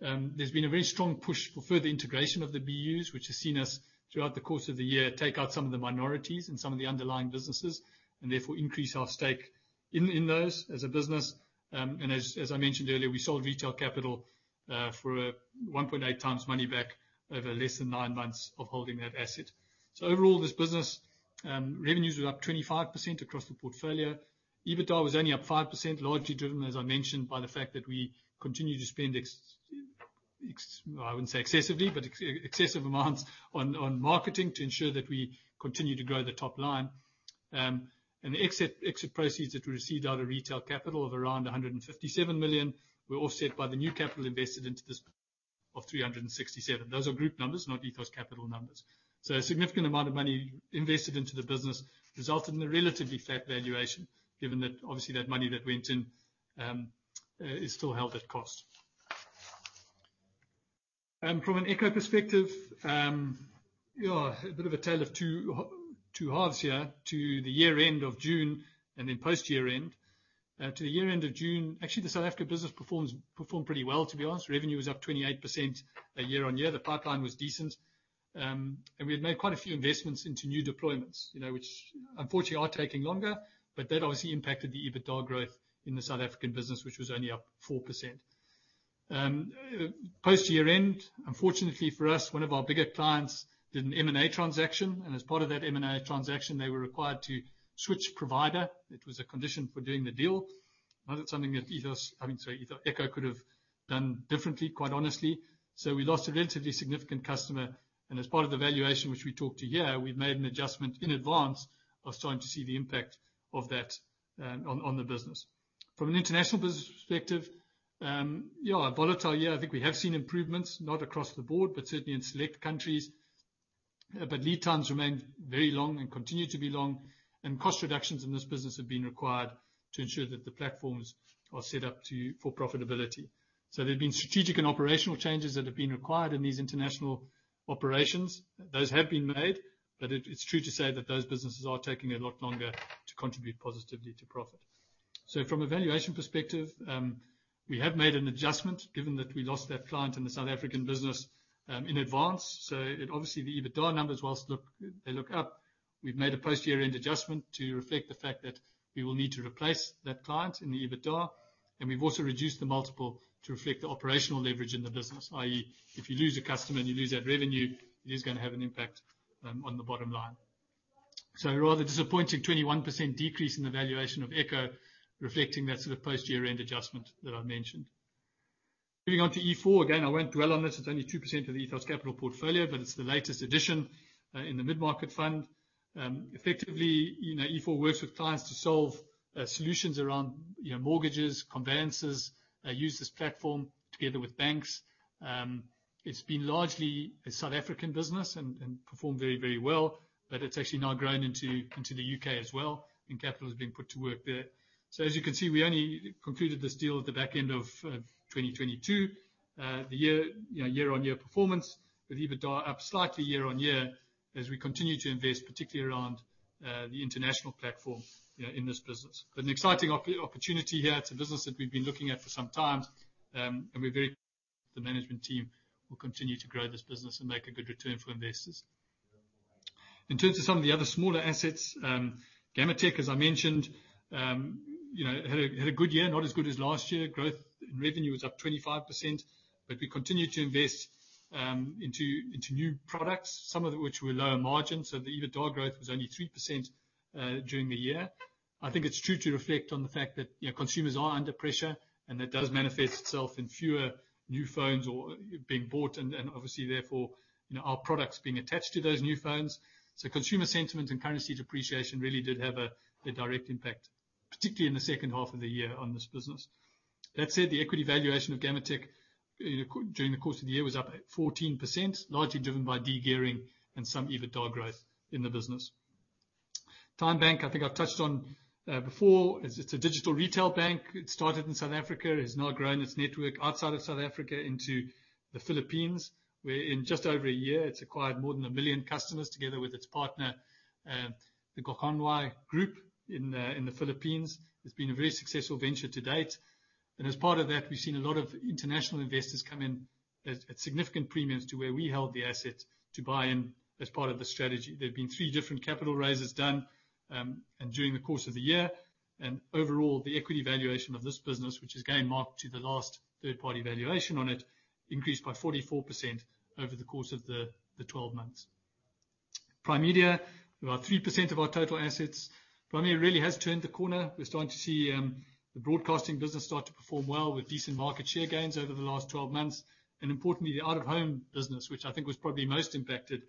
There's been a very strong push for further integration of the BUs, which has seen us, throughout the course of the year, take out some of the minorities in some of the underlying businesses, and therefore increase our stake in those as a business. As I mentioned earlier, we sold Retail Capital for a 1.8 times money back over less than nine months of holding that asset. Overall, this business, revenues were up 25% across the portfolio. EBITDA was only up 5%, largely driven, as I mentioned, by the fact that we continue to spend I wouldn't say excessively, but excessive amounts on marketing to ensure that we continue to grow the top line. The exit proceeds that we received out of Retail Capital of around 157 million were offset by the new capital invested into this of 367. Those are group numbers, not Ethos Capital numbers. A significant amount of money invested into the business resulted in a relatively flat valuation, given that obviously that money that went in, is still held at cost. From an Echo perspective, a bit of a tale of two halves here to the year end of June and then post year end. To the year end of June, actually, the South Africa business performed pretty well, to be honest. Revenue was up 28% year-over-year. The pipeline was decent. We had made quite a few investments into new deployments, which unfortunately are taking longer, but that obviously impacted the EBITDA growth in the South African business, which was only up 4%. Post year end, unfortunately for us, one of our bigger clients did an M&A transaction, and as part of that M&A transaction, they were required to switch provider. It was a condition for doing the deal. Not something that Echo could have done differently, quite honestly. We lost a relatively significant customer, and as part of the valuation, which we talked to here, we've made an adjustment in advance of starting to see the impact of that on the business. From an international business perspective, a volatile year. I think we have seen improvements, not across the board, but certainly in select countries. Lead times remain very long and continue to be long. Cost reductions in this business have been required to ensure that the platforms are set up for profitability. There have been strategic and operational changes that have been required in these international operations. Those have been made, but it's true to say that those businesses are taking a lot longer to contribute positively to profit. From a valuation perspective, we have made an adjustment, given that we lost that client in the South African business, in advance. Obviously the EBITDA numbers, whilst they look up, we've made a post year-end adjustment to reflect the fact that we will need to replace that client in the EBITDA. We've also reduced the multiple to reflect the operational leverage in the business. i.e., if you lose a customer and you lose that revenue, it is going to have an impact on the bottom line. A rather disappointing 21% decrease in the valuation of Echo, reflecting that sort of post year-end adjustment that I mentioned. Moving on to e4. Again, I won't dwell on this. It's only 2% of the Ethos Capital portfolio, but it's the latest addition in the Ethos Mid Market Fund. Effectively, e4 works with clients to solve solutions around mortgages, conveyances. They use this platform together with banks. It's been largely a South African business and performed very well, but it's actually now grown into the U.K. as well, and capital has been put to work there. As you can see, we only concluded this deal at the back end of 2022. The year-on-year performance with EBITDA up slightly year-on-year as we continue to invest, particularly around the international platform in this business. An exciting opportunity here. The management team will continue to grow this business and make a good return for investors. In terms of some of the other smaller assets, Gammatek, as I mentioned, had a good year. Not as good as last year. Growth in revenue was up 25%. We continued to invest into new products, some of which were lower margin. The EBITDA growth was only 3% during the year. I think it's true to reflect on the fact that consumers are under pressure. That does manifest itself in fewer new phones being bought and obviously therefore our products being attached to those new phones. Consumer sentiment and currency depreciation really did have a direct impact, particularly in the second half of the year on this business. That said, the equity valuation of Gammatek during the course of the year was up 14%, largely driven by de-gearing and some EBITDA growth in the business. TymeBank, I think I've touched on before. It's a digital retail bank. It started in South Africa. It has now grown its network outside of South Africa into the Philippines, where in just over a year, it's acquired more than 1 million customers together with its partner, the Gokongwei Group in the Philippines. It's been a very successful venture to date. As part of that, we've seen a lot of international investors come in at significant premiums to where we held the asset to buy in as part of the strategy. There have been three different capital raises done during the course of the year. Overall, the equity valuation of this business, which is again marked to the last third party valuation on it, increased by 44% over the course of the 12 months. Primedia, about 3% of our total assets. Primedia really has turned the corner. We're starting to see the broadcasting business start to perform well with decent market share gains over the last 12 months. Importantly, the out-of-home business, which I think was probably most impacted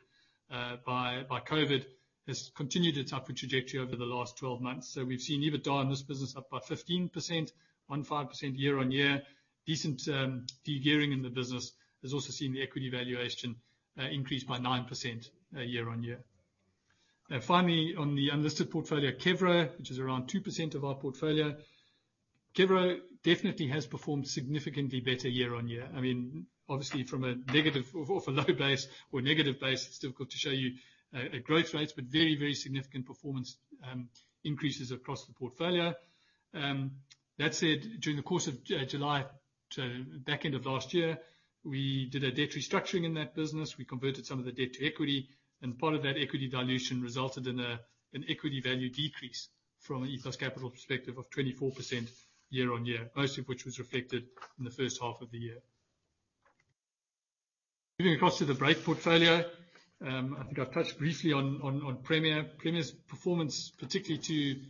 by COVID, has continued its upward trajectory over the last 12 months. We've seen EBITDA in this business up by 15% year-on-year. Decent de-gearing in the business has also seen the equity valuation increase by 9% year-on-year. Finally, on the unlisted portfolio, Kevro, which is around 2% of our portfolio. Kevro definitely has performed significantly better year-on-year. Obviously from a negative or a low base or a negative base, it's difficult to show you growth rates, but very significant performance increases across the portfolio. That said, during the course of July to back end of last year, we did a debt restructuring in that business. We converted some of the debt to equity. Part of that equity dilution resulted in an equity value decrease from an Ethos Capital perspective of 24% year-on-year, most of which was reflected in the first half of the year. Moving across to the Brait portfolio. I think I've touched briefly on Premier. Premier's performance, particularly to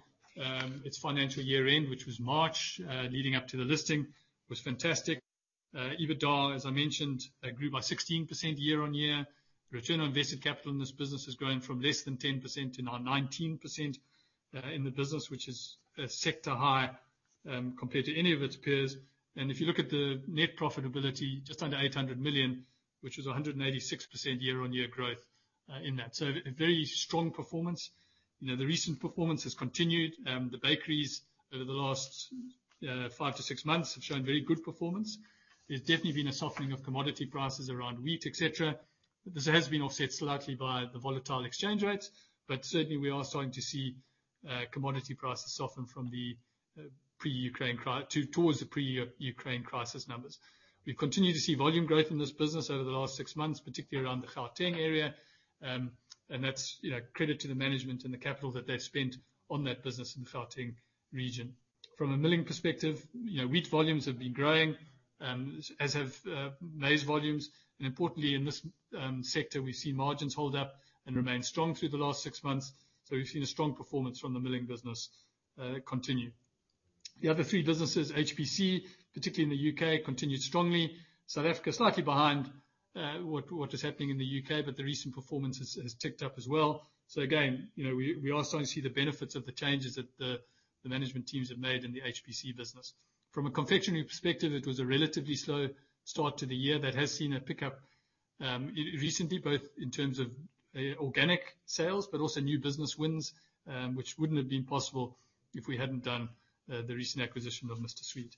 its financial year end, which was March, leading up to the listing, was fantastic. EBITDA, as I mentioned, grew by 16% year-on-year. Return on invested capital in this business has grown from less than 10% to now 19% in the business, which is a sector high compared to any of its peers. If you look at the net profitability, just under 800 million, which was 186% year-on-year growth. In that. A very strong performance. The recent performance has continued. The bakeries over the last five to six months have shown very good performance. There's definitely been a softening of commodity prices around wheat, et cetera. This has been offset slightly by the volatile exchange rates, but certainly we are starting to see commodity prices soften towards the pre-Ukraine crisis numbers. We continue to see volume growth in this business over the last six months, particularly around the Gauteng area, and that's credit to the management and the capital that they've spent on that business in the Gauteng region. From a milling perspective, wheat volumes have been growing, as have maize volumes. Importantly, in this sector, we've seen margins hold up and remain strong through the last six months. We've seen a strong performance from the milling business continue. The other three businesses, HBC, particularly in the U.K., continued strongly. South Africa, slightly behind what is happening in the U.K., the recent performance has ticked up as well. Again, we are starting to see the benefits of the changes that the management teams have made in the HBC business. From a confectionery perspective, it was a relatively slow start to the year that has seen a pickup recently, both in terms of organic sales, but also new business wins, which wouldn't have been possible if we hadn't done the recent acquisition of Mister Sweet.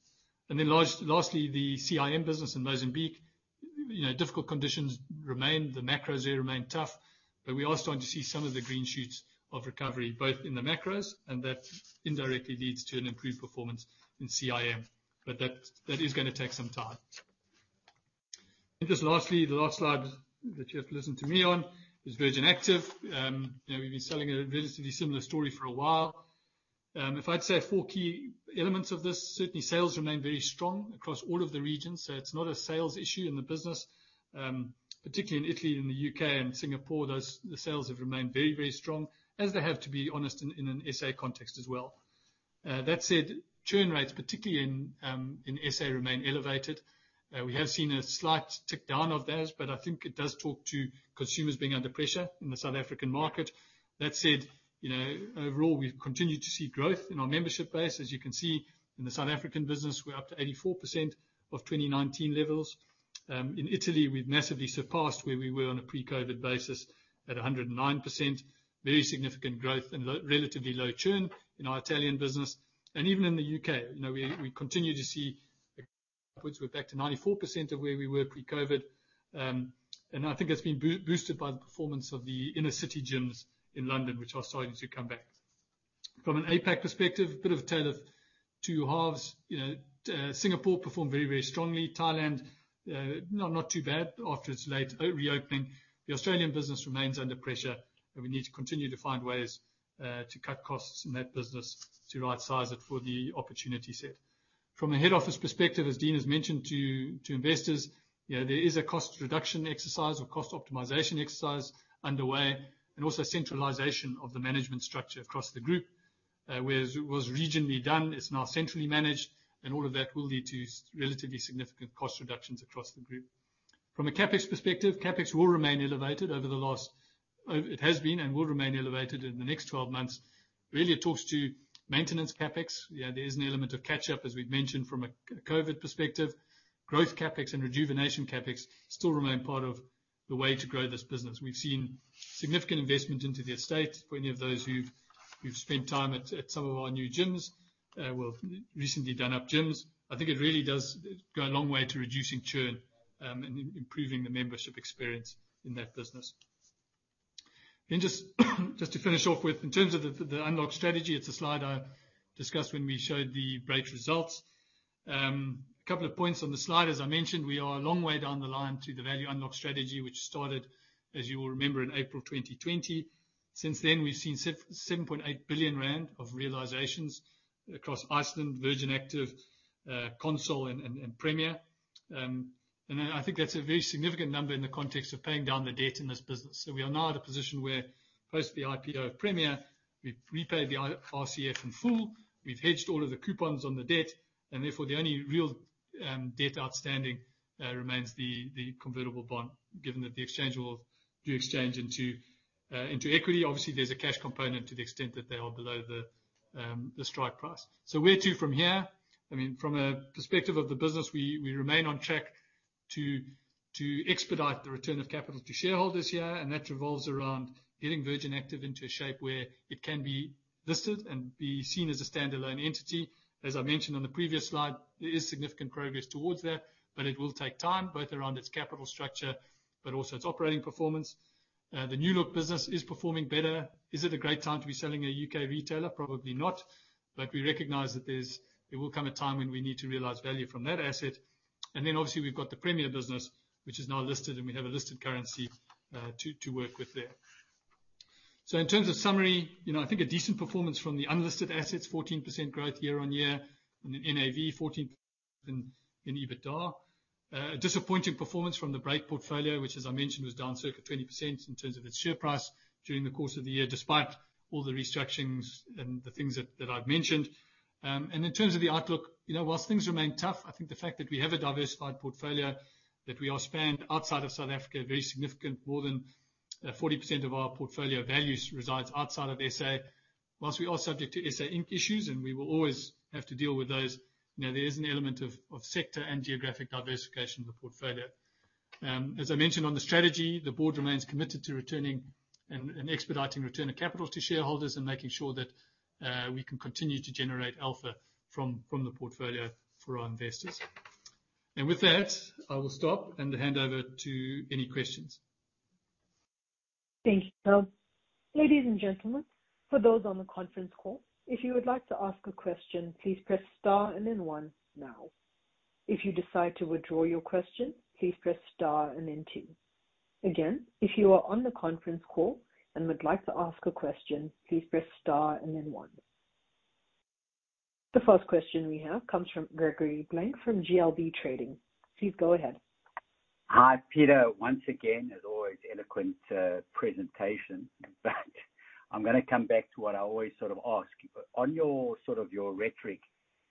Lastly, the CIM Mozambique business. Difficult conditions remain, the macros there remain tough, we are starting to see some of the green shoots of recovery, both in the macros, that indirectly leads to an improved performance in CIM. That is going to take some time. Just lastly, the last slide that you have to listen to me on is Virgin Active. If I'd say four key elements of this, certainly sales remain very strong across all of the regions, so it's not a sales issue in the business. Particularly in Italy and the U.K. and Singapore, the sales have remained very strong, as they have, to be honest, in an SA context as well. That said, churn rates, particularly in SA, remain elevated. We have seen a slight tick down of those, but I think it does talk to consumers being under pressure in the South African market. That said, overall, we've continued to see growth in our membership base. As you can see in the South African business, we're up to 84% of 2019 levels. In Italy, we've massively surpassed where we were on a pre-COVID basis at 109%. Very significant growth and relatively low churn in our Italian business. Even in the U.K., we continue to see upwards. We're back to 94% of where we were pre-COVID. I think that's been boosted by the performance of the inner-city gyms in London, which are starting to come back. From an APAC perspective, a bit of a tale of two halves. Singapore performed very strongly. Thailand, not too bad after its late reopening. The Australian business remains under pressure, and we need to continue to find ways to cut costs in that business to rightsize it for the opportunity set. From a head office perspective, as Dean has mentioned to investors, there is a cost reduction exercise or cost optimization exercise underway, and also centralization of the management structure across the group. Whereas it was regionally done, it's now centrally managed, and all of that will lead to relatively significant cost reductions across the group. From a CapEx perspective, it has been and will remain elevated in the next 12 months. Really, it talks to maintenance CapEx. There is an element of catch-up, as we've mentioned, from a COVID perspective. Growth CapEx and rejuvenation CapEx still remain part of the way to grow this business. We've seen significant investment into the estate. For any of those who've spent time at some of our new gyms, well, recently done up gyms, I think it really does go a long way to reducing churn and improving the membership experience in that business. Just to finish off with, in terms of the unlock strategy, it's a slide I discussed when we showed the Brait results. A couple of points on the slide. As I mentioned, we are a long way down the line to the value unlock strategy, which started, as you will remember, in April 2020. Since then, we've seen 7.8 billion rand of realizations across Iceland, Virgin Active, Consol, and Premier. I think that's a very significant number in the context of paying down the debt in this business. We are now at a position where post the IPO of Premier, we've repaid the RCF in full. We've hedged all of the coupons on the debt, and therefore the only real debt outstanding remains the convertible bond, given that the exchange will do exchange into equity. Obviously, there's a cash component to the extent that they are below the strike price. Where to from here? From a perspective of the business, we remain on track to expedite the return of capital to shareholders here, and that revolves around getting Virgin Active into a shape where it can be listed and be seen as a standalone entity. As I mentioned on the previous slide, there is significant progress towards that, but it will take time, both around its capital structure, but also its operating performance. The New Look business is performing better. Is it a great time to be selling a U.K. retailer? Probably not. We recognize that there will come a time when we need to realize value from that asset. We have got the Premier business, which is now listed, and we have a listed currency to work with there. In terms of summary, I think a decent performance from the unlisted assets, 14% growth year-on-year in NAV, 14% in EBITDA. A disappointing performance from the Brait portfolio, which, as I mentioned, was down circa 20% in terms of its share price during the course of the year, despite all the restructurings and the things that I've mentioned. In terms of the outlook, whilst things remain tough, I think the fact that we have a diversified portfolio, that we are spanned outside of South Africa, very significant, more than 40% of our portfolio values resides outside of SA. Once we are subject to SA Inc. issues, and we will always have to deal with those, now there is an element of sector and geographic diversification of the portfolio. As I mentioned on the strategy, the board remains committed to returning and expediting return of capital to shareholders and making sure that we can continue to generate alpha from the portfolio for our investors. With that, I will stop and hand over to any questions. Thank you. Ladies and gentlemen, for those on the conference call, if you would like to ask a question, please press star and then one now. If you decide to withdraw your question, please press star and then two. Again, if you are on the conference call and would like to ask a question, please press star and then one. The first question we have comes from Gregory Blank from GLB Trading. Please go ahead. Hi, Peter. Once again, as always, eloquent presentation. In fact, I'm going to come back to what I always sort of ask you. On your sort of your rhetoric,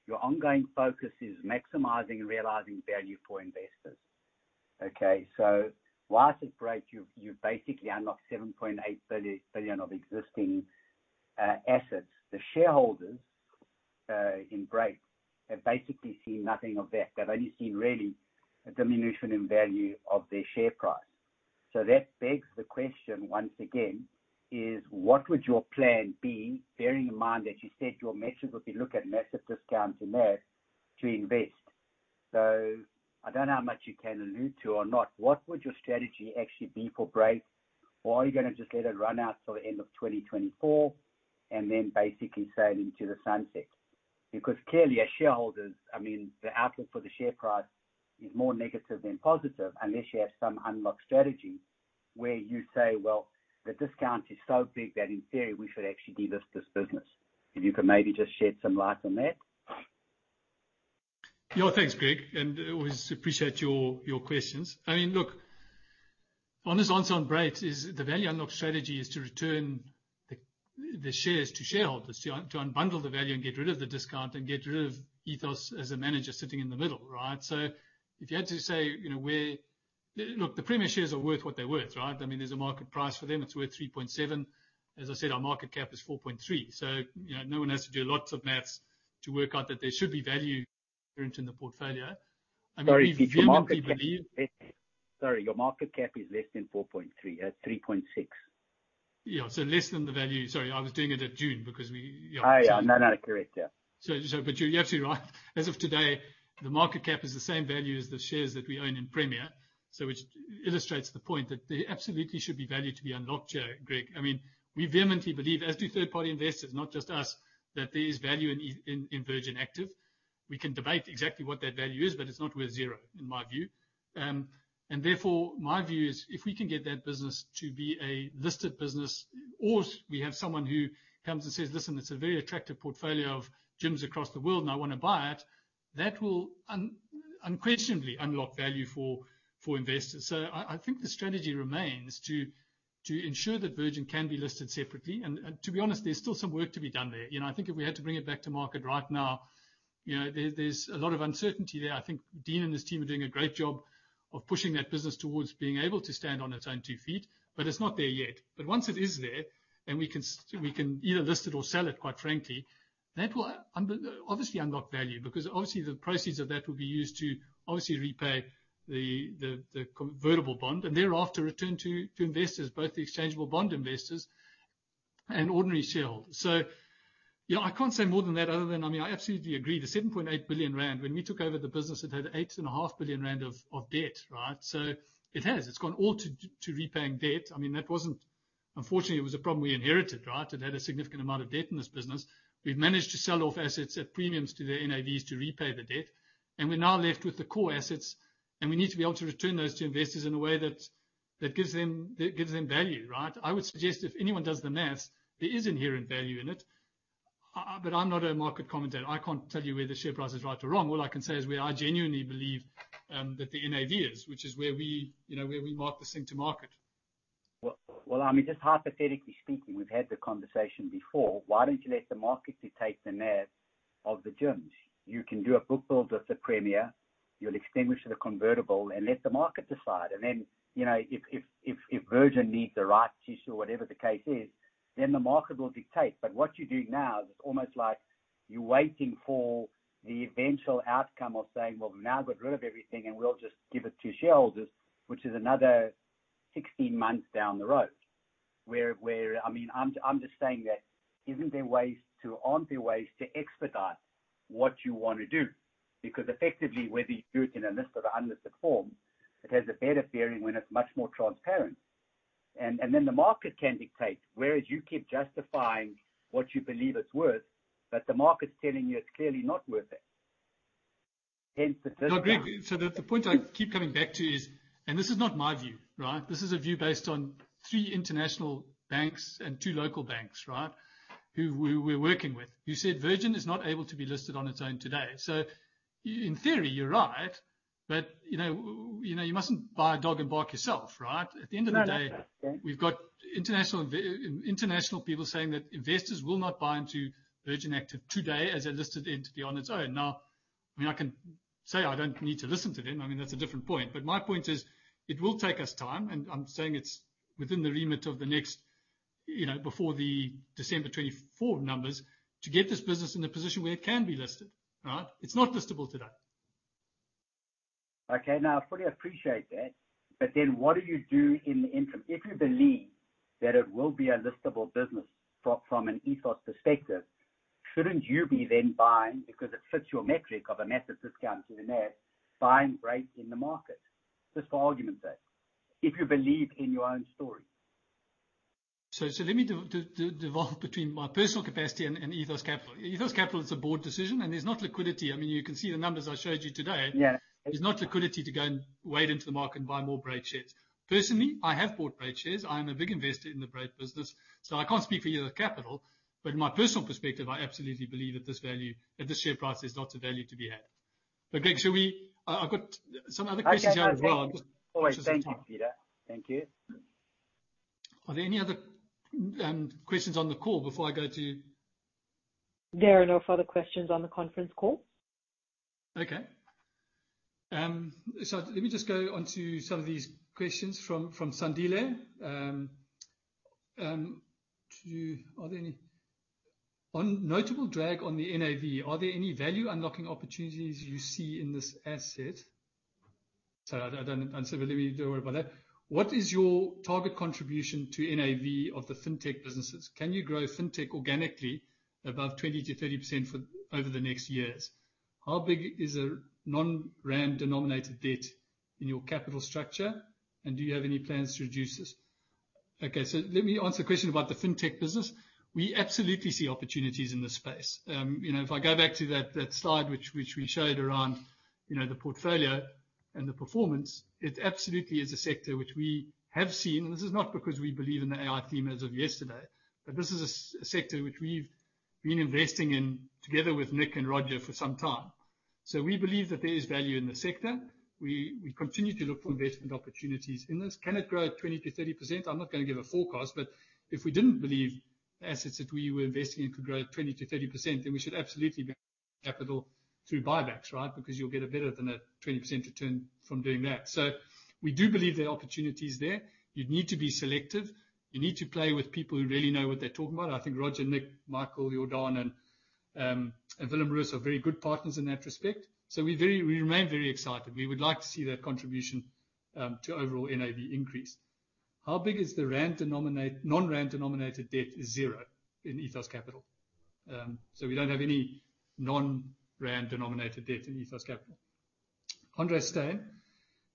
your ongoing focus is maximizing and realizing value for investors. Okay. Whilst at Brait you've basically unlocked 7.8 billion of existing assets, the shareholders, in Brait, have basically seen nothing of that. They've only seen really a diminution in value of their share price. That begs the question once again, is what would your plan be, bearing in mind that you said your metric would be look at massive discounts in there to invest. I don't know how much you can allude to or not. What would your strategy actually be for Brait? Or are you going to just let it run out till the end of 2024 and then basically sail into the sunset? Clearly, as shareholders, I mean, the outlook for the share price is more negative than positive unless you have some unlock strategy where you say, "Well, the discount is so big that in theory, we should actually delist this business." If you could maybe just shed some light on that. Yeah. Thanks, Greg, and always appreciate your questions. Look, honest answer on Brait is the value unlock strategy is to return the shares to shareholders, to unbundle the value and get rid of the discount and get rid of Ethos as a manager sitting in the middle, right? If you had to say, where. Look, the Premier shares are worth what they're worth, right? There's a market price for them. It's worth 3.7. As I said, our market cap is 4.3. No one has to do lots of maths to work out that there should be value inherent in the portfolio. I mean, we vehemently believe- Sorry, your market cap is less than 4.3. 3.6. Yeah. Less than the value. Sorry, I was doing it at June because we. Oh, yeah. No, no. Correct. Yeah. But you're absolutely right. As of today, the market cap is the same value as the shares that we own in Premier. Which illustrates the point that there absolutely should be value to be unlocked here, Greg. We vehemently believe, as do third-party investors, not just us, that there is value in Virgin Active. We can debate exactly what that value is, but it's not worth zero, in my view. Therefore, my view is if we can get that business to be a listed business, or we have someone who comes and says, "Listen, it's a very attractive portfolio of gyms across the world, and I want to buy it," that will unquestionably unlock value for investors. I think the strategy remains to ensure that Virgin can be listed separately. To be honest, there's still GBP 150 million of convertible bond outstanding there. I think if we had to bring it back to market right now, there's a lot of uncertainty there. I think Dean and his team are doing a great job of pushing that business towards being able to stand on its own two feet, but it's not there yet. Once it is there, then we can either list it or sell it, quite frankly. That will obviously unlock value because obviously the proceeds of that will be used to obviously repay the convertible bond and thereafter return to investors, both the exchangeable bond investors and ordinary shareholders. I can't say more than that other than, I absolutely agree. The 7.8 billion rand, when we took over the business, it had 8.5 billion rand of debt, right? It has. It's gone all to repaying debt. Unfortunately, it was a problem we inherited, right? It had a significant amount of debt in this business. We've managed to sell off assets at premiums to their NAVs to repay the debt, and we're now left with the core assets, and we need to be able to return those to investors in a way that gives them value, right? I would suggest if anyone does the maths, there is inherent value in it. I'm not a market commentator. I can't tell you whether the share price is right or wrong. All I can say is where I genuinely believe that the NAV is, which is where we mark this thing to market. Well, just hypothetically speaking, we've had the conversation before. Why don't you let the market dictate the NAV of the gyms? You can do a book build of the Premier. You'll extinguish the convertible and let the market decide. If Virgin needs the rights issue or whatever the case is, then the market will dictate. What you're doing now is it's almost like you're waiting for the eventual outcome of saying, "Well, we've now got rid of everything, and we'll just give it to shareholders," which is another 16 months down the road. I'm just saying that aren't there ways to expedite what you want to do? Effectively, whether you do it in a listed or unlisted form, it has a better bearing when it's much more transparent. The market can dictate, whereas you keep justifying what you believe it's worth, the market's telling you it's clearly not worth it, hence the discount. No, Greg. The point I keep coming back to is, this is not my view, right? This is a view based on three international banks and two local banks, right? Who we're working with. You said Virgin is not able to be listed on its own today. In theory, you're right, you mustn't buy a dog and bark yourself, right? No, no. At the end of the day, we've got international people saying that investors will not buy into Virgin Active today as a listed entity on its own. I can say I don't need to listen to them. I mean, that's a different point. My point is, it will take us time, and I'm saying it's within the remit of the next, before the December 2024 numbers, to get this business in a position where it can be listed. Right? It's not listable today. I fully appreciate that. What do you do in the interim? If you believe that it will be a listable business from an Ethos perspective, shouldn't you be then buying because it fits your metric of a massive discount to the NAV, buying Brait in the market? Just for argument's sake. If you believe in your own story. Let me devolve between my personal capacity and Ethos Capital. Ethos Capital is a board decision. There's not liquidity. You can see the numbers I showed you today. Yeah. There's not liquidity to go and wade into the market and buy more Brait shares. Personally, I have bought Brait shares. I am a big investor in the Brait business. I can't speak for either capital, but in my personal perspective, I absolutely believe at this share price, there's lots of value to be had. Greg, shall we I've got some other questions here as well. Okay. No, that's it. All right. Thank you, Peter. Thank you. Are there any other questions on the call before I go to? There are no further questions on the conference call. Let me just go on to some of these questions from Sandile. Are there any notable drag on the NAV, are there any value unlocking opportunities you see in this asset? Sorry, I don't understand. Let me Don't worry about that. What is your target contribution to NAV of the fintech businesses? Can you grow fintech organically above 20%-30% over the next years? How big is a non-rand denominated debt in your capital structure, and do you have any plans to reduce this? Let me answer the question about the fintech business. We absolutely see opportunities in this space. If I go back to that slide which we showed around the portfolio and the performance, it absolutely is a sector which we have seen. This is not because we believe in the AI theme as of yesterday. This is a sector which we've been investing in together with Nick and Roger for some time. We believe that there is value in the sector. We continue to look for investment opportunities in this. Can it grow at 20%-30%? I'm not going to give a forecast. If we didn't believe assets that we were investing in could grow at 20%-30%, then we should absolutely be capital through buybacks, right? Because you'll get a better than a 20% return from doing that. We do believe there are opportunities there. You'd need to be selective. You need to play with people who really know what they're talking about. I think Roger, Nick, Michael, Jordan, and Willem Ruis are very good partners in that respect. We remain very excited. We would like to see that contribution to overall NAV increase. How big is the non-rand denominated debt is zero in Ethos Capital. We don't have any non-rand denominated debt in Ethos Capital. Andre Stein.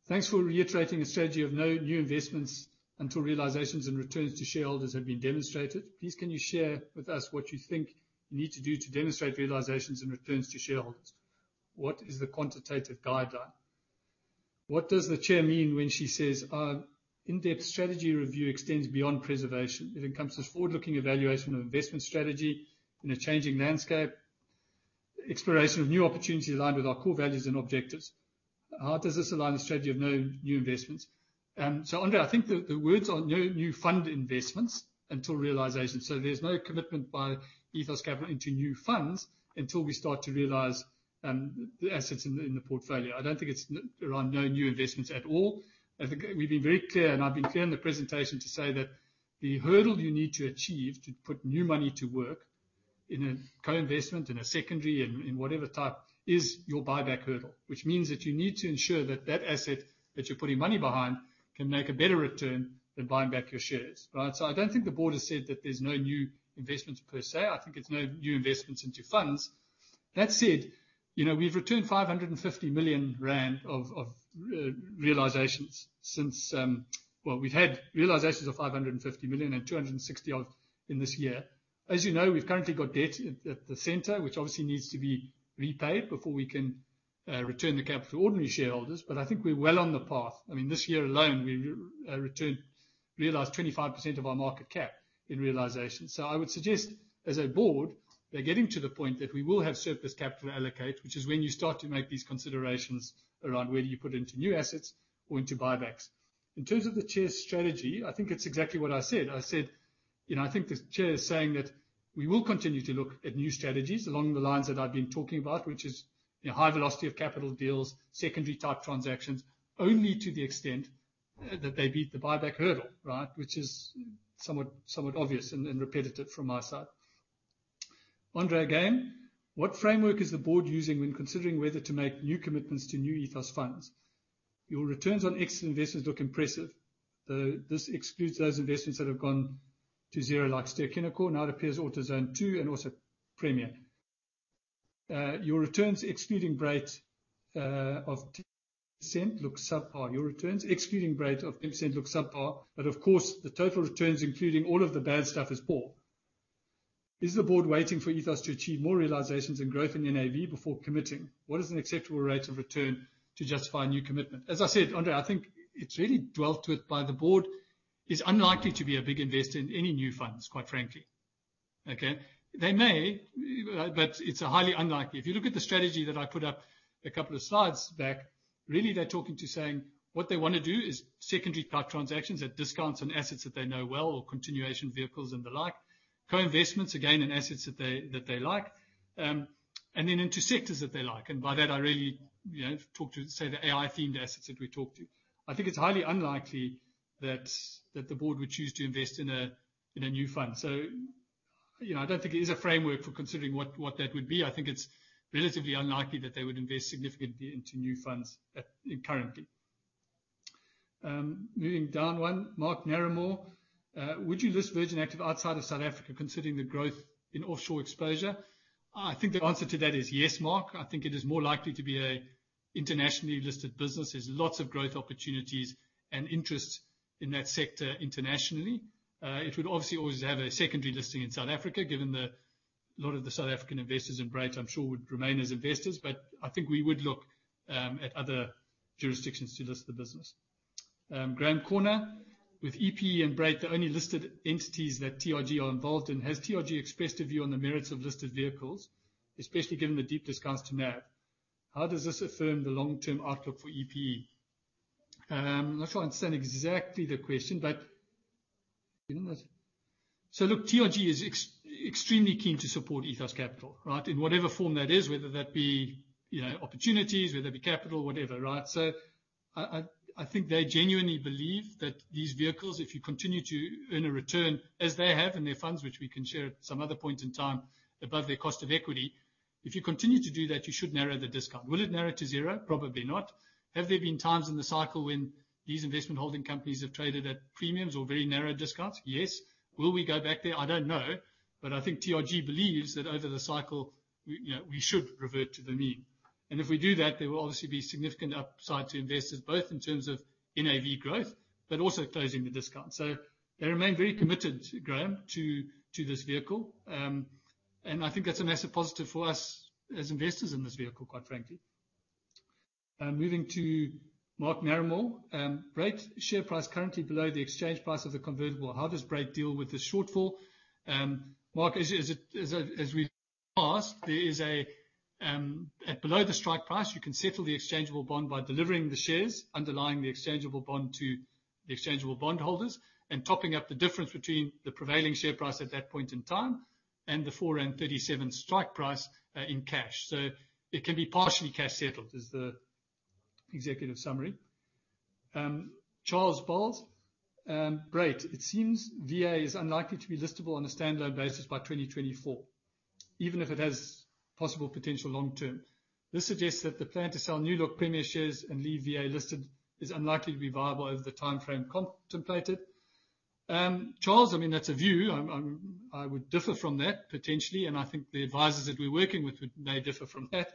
Thanks for reiterating a strategy of no new investments until realizations and returns to shareholders have been demonstrated. Please can you share with us what you think you need to do to demonstrate realizations and returns to shareholders? What is the quantitative guideline? What does the chair mean when she says our in-depth strategy review extends beyond preservation? It encompasses forward-looking evaluation of investment strategy in a changing landscape, exploration of new opportunities aligned with our core values and objectives. How does this align the strategy of no new investments? Andre, I think the words are no new fund investments until realization. There's no commitment by Ethos Capital into new funds until we start to realize the assets in the portfolio. I don't think it's around no new investments at all. I think we've been very clear, and I've been clear in the presentation to say that the hurdle you need to achieve to put new money to work in a co-investment, in a secondary, in whatever type, is your buyback hurdle. Which means that you need to ensure that that asset that you're putting money behind can make a better return than buying back your shares, right? I don't think the board has said that there's no new investments per se. I think it's no new investments into funds. That said, we've returned 550 million rand of realizations since Well, we've had realizations of 550 million and 260 odd in this year. As you know, we've currently got debt at the center, which obviously needs to be repaid before we can return the capital to ordinary shareholders. I think we're well on the path. This year alone, we realized 25% of our market cap in realization. I would suggest as a board, we're getting to the point that we will have surplus capital to allocate, which is when you start to make these considerations around whether you put into new assets or into buybacks. In terms of the chair's strategy, I think it's exactly what I said. I said, I think the chair is saying that we will continue to look at new strategies along the lines that I've been talking about, which is high velocity of capital deals, secondary type transactions, only to the extent that they beat the buyback hurdle, right? Which is somewhat obvious and repetitive from my side. Andre again. What framework is the board using when considering whether to make new commitments to new Ethos funds? Your returns on exit investments look impressive. Though this excludes those investments that have gone to zero like Ster-Kinekor, now it appears AutoZone too, and also Premier. Your returns excluding Brait of 10% looks subpar. Your returns excluding Brait of 10% looks subpar. Of course, the total returns including all of the bad stuff is poor. Is the board waiting for Ethos to achieve more realizations and growth in NAV before committing? What is an acceptable rate of return to justify a new commitment? As I said, Andre, I think it's really dwelt with by the board. It's unlikely to be a big investor in any new funds, quite frankly. Okay? They may, but it's highly unlikely. If you look at the strategy that I put up a couple of slides back. Really, they're talking to saying what they want to do is secondary private transactions at discounts on assets that they know well or continuation vehicles and the like. Co-investments, again, in assets that they like. Then into sectors that they like, and by that, I really talk to, say, the AI-themed assets that we talk to. I think it's highly unlikely that the board would choose to invest in a new fund. I don't think it is a framework for considering what that would be. I think it's relatively unlikely that they would invest significantly into new funds currently. Moving down one. Mark Naramore. "Would you list Virgin Active outside of South Africa, considering the growth in offshore exposure?" I think the answer to that is yes, Mark. I think it is more likely to be an internationally listed business. There's lots of growth opportunities and interest in that sector internationally. It would obviously always have a secondary listing in South Africa, given a lot of the South African investors in Brait, I'm sure, would remain as investors. I think we would look at other jurisdictions to list the business. Graham Corner. "With EPE and Brait the only listed entities that TRG are involved in, has TRG expressed a view on the merits of listed vehicles, especially given the deep discounts to NAV? How does this affirm the long-term outlook for EPE?" I'm not sure I understand exactly the question. Look, TRG is extremely keen to support Ethos Capital, right? In whatever form that is, whether that be opportunities, whether that be capital, whatever, right? I think they genuinely believe that these vehicles, if you continue to earn a return, as they have in their funds, which we can share at some other point in time, above their cost of equity. If you continue to do that, you should narrow the discount. Will it narrow to zero? Probably not. Have there been times in the cycle when these investment holding companies have traded at premiums or very narrow discounts? Yes. Will we go back there? I don't know. I think The Rohatyn Group believes that over the cycle, we should revert to the mean. If we do that, there will obviously be significant upside to investors, both in terms of NAV growth, but also closing the discount. They remain very committed, Graham Corner, to this vehicle. I think that's a massive positive for us as investors in this vehicle, quite frankly. Moving to Mark Naramore. "Brait share price currently below the exchange price of the convertible. How does Brait deal with this shortfall?" Mark, as we asked, at below the strike price, you can settle the exchangeable bond by delivering the shares underlying the exchangeable bond to the exchangeable bondholders and topping up the difference between the prevailing share price at that point in time and the 4.37 strike price in cash. It can be partially cash settled, is the executive summary. Charles Balls. "Brait, it seems Virgin Active is unlikely to be listable on a standalone basis by 2024, even if it has possible potential long term. This suggests that the plan to sell New Look Premier shares and leave Virgin Active listed is unlikely to be viable over the timeframe contemplated." Charles, that's a view. I would differ from that, potentially. I think the advisors that we're working with may differ from that.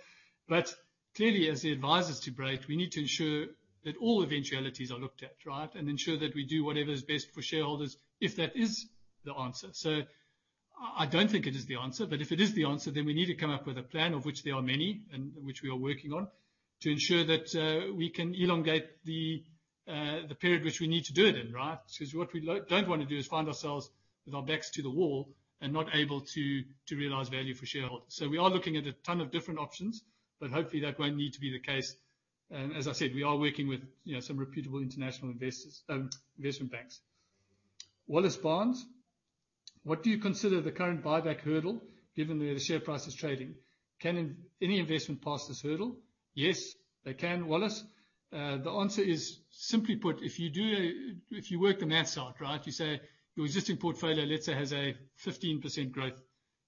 Clearly, as the advisors to Brait, we need to ensure that all eventualities are looked at, right? Ensure that we do whatever is best for shareholders, if that is the answer. I don't think it is the answer, if it is the answer, then we need to come up with a plan, of which there are many, which we are working on, to ensure that we can elongate the period which we need to do it in, right? Because what we don't want to do is find ourselves with our backs to the wall and not able to realize value for shareholders. We are looking at a ton of different options, hopefully, that won't need to be the case. As I said, we are working with some reputable international investment banks. Wallace Barnes. "What do you consider the current buyback hurdle given where the share price is trading? Can any investment pass this hurdle?" Yes, they can, Wallace. The answer is, simply put, if you work the math side, right? You say your existing portfolio, let's say, has a 15% growth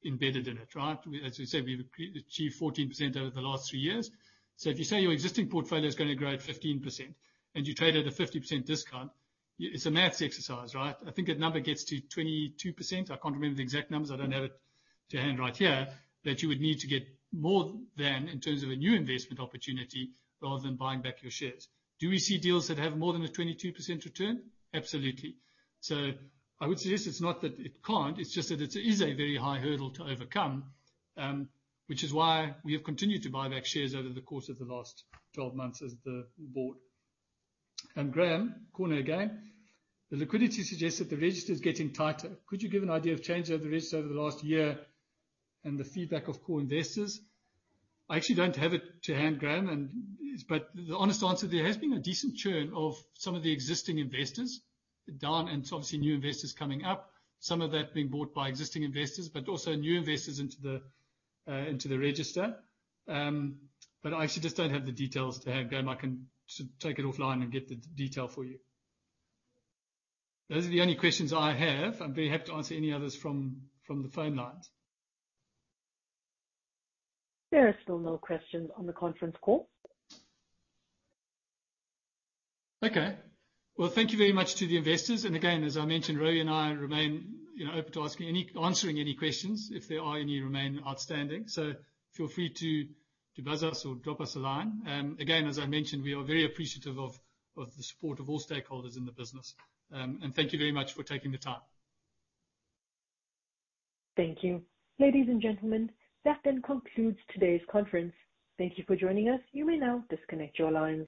embedded in it, right? As we said, we've achieved 14% over the last three years. If you say your existing portfolio is going to grow at 15% and you trade at a 50% discount, it's a math exercise, right? I think that number gets to 22%. I can't remember the exact numbers. I don't have it to hand right here. That you would need to get more than in terms of a new investment opportunity rather than buying back your shares. Do we see deals that have more than a 22% return? Absolutely. I would suggest it's not that it can't, it's just that it is a very high hurdle to overcome, which is why we have continued to buy back shares over the course of the last 12 months as the board. Graham Corner again. "The liquidity suggests that the register is getting tighter. Could you give an idea of change over the register over the last year and the feedback of core investors?" I actually don't have it to hand, Graham. The honest answer, there has been a decent churn of some of the existing investors down, obviously new investors coming up. Some of that being bought by existing investors, also new investors into the register. I actually just don't have the details to hand, Graham. I can take it offline and get the detail for you. Those are the only questions I have. I'd be happy to answer any others from the phone lines. There are still no questions on the conference call. Well, thank you very much to the investors. Again, as I mentioned, Rowe and I remain open to answering any questions if there are any remain outstanding. Feel free to buzz us or drop us a line. As I mentioned, we are very appreciative of the support of all stakeholders in the business. Thank you very much for taking the time. Thank you. Ladies and gentlemen, that then concludes today's conference. Thank you for joining us. You may now disconnect your lines.